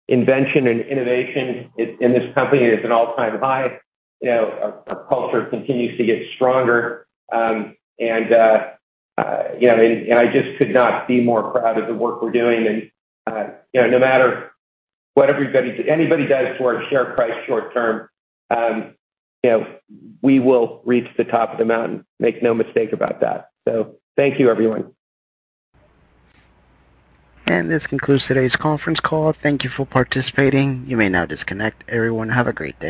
invention and innovation in this company is an all-time high. You know, our culture continues to get stronger. You know, I just could not be more proud of the work we're doing. You know, no matter what anybody does for our share price short term, you know, we will reach the top of the mountain. Make no mistake about that. Thank you, everyone. This concludes today's conference call. Thank you for participating. You may now disconnect. Everyone, have a great day.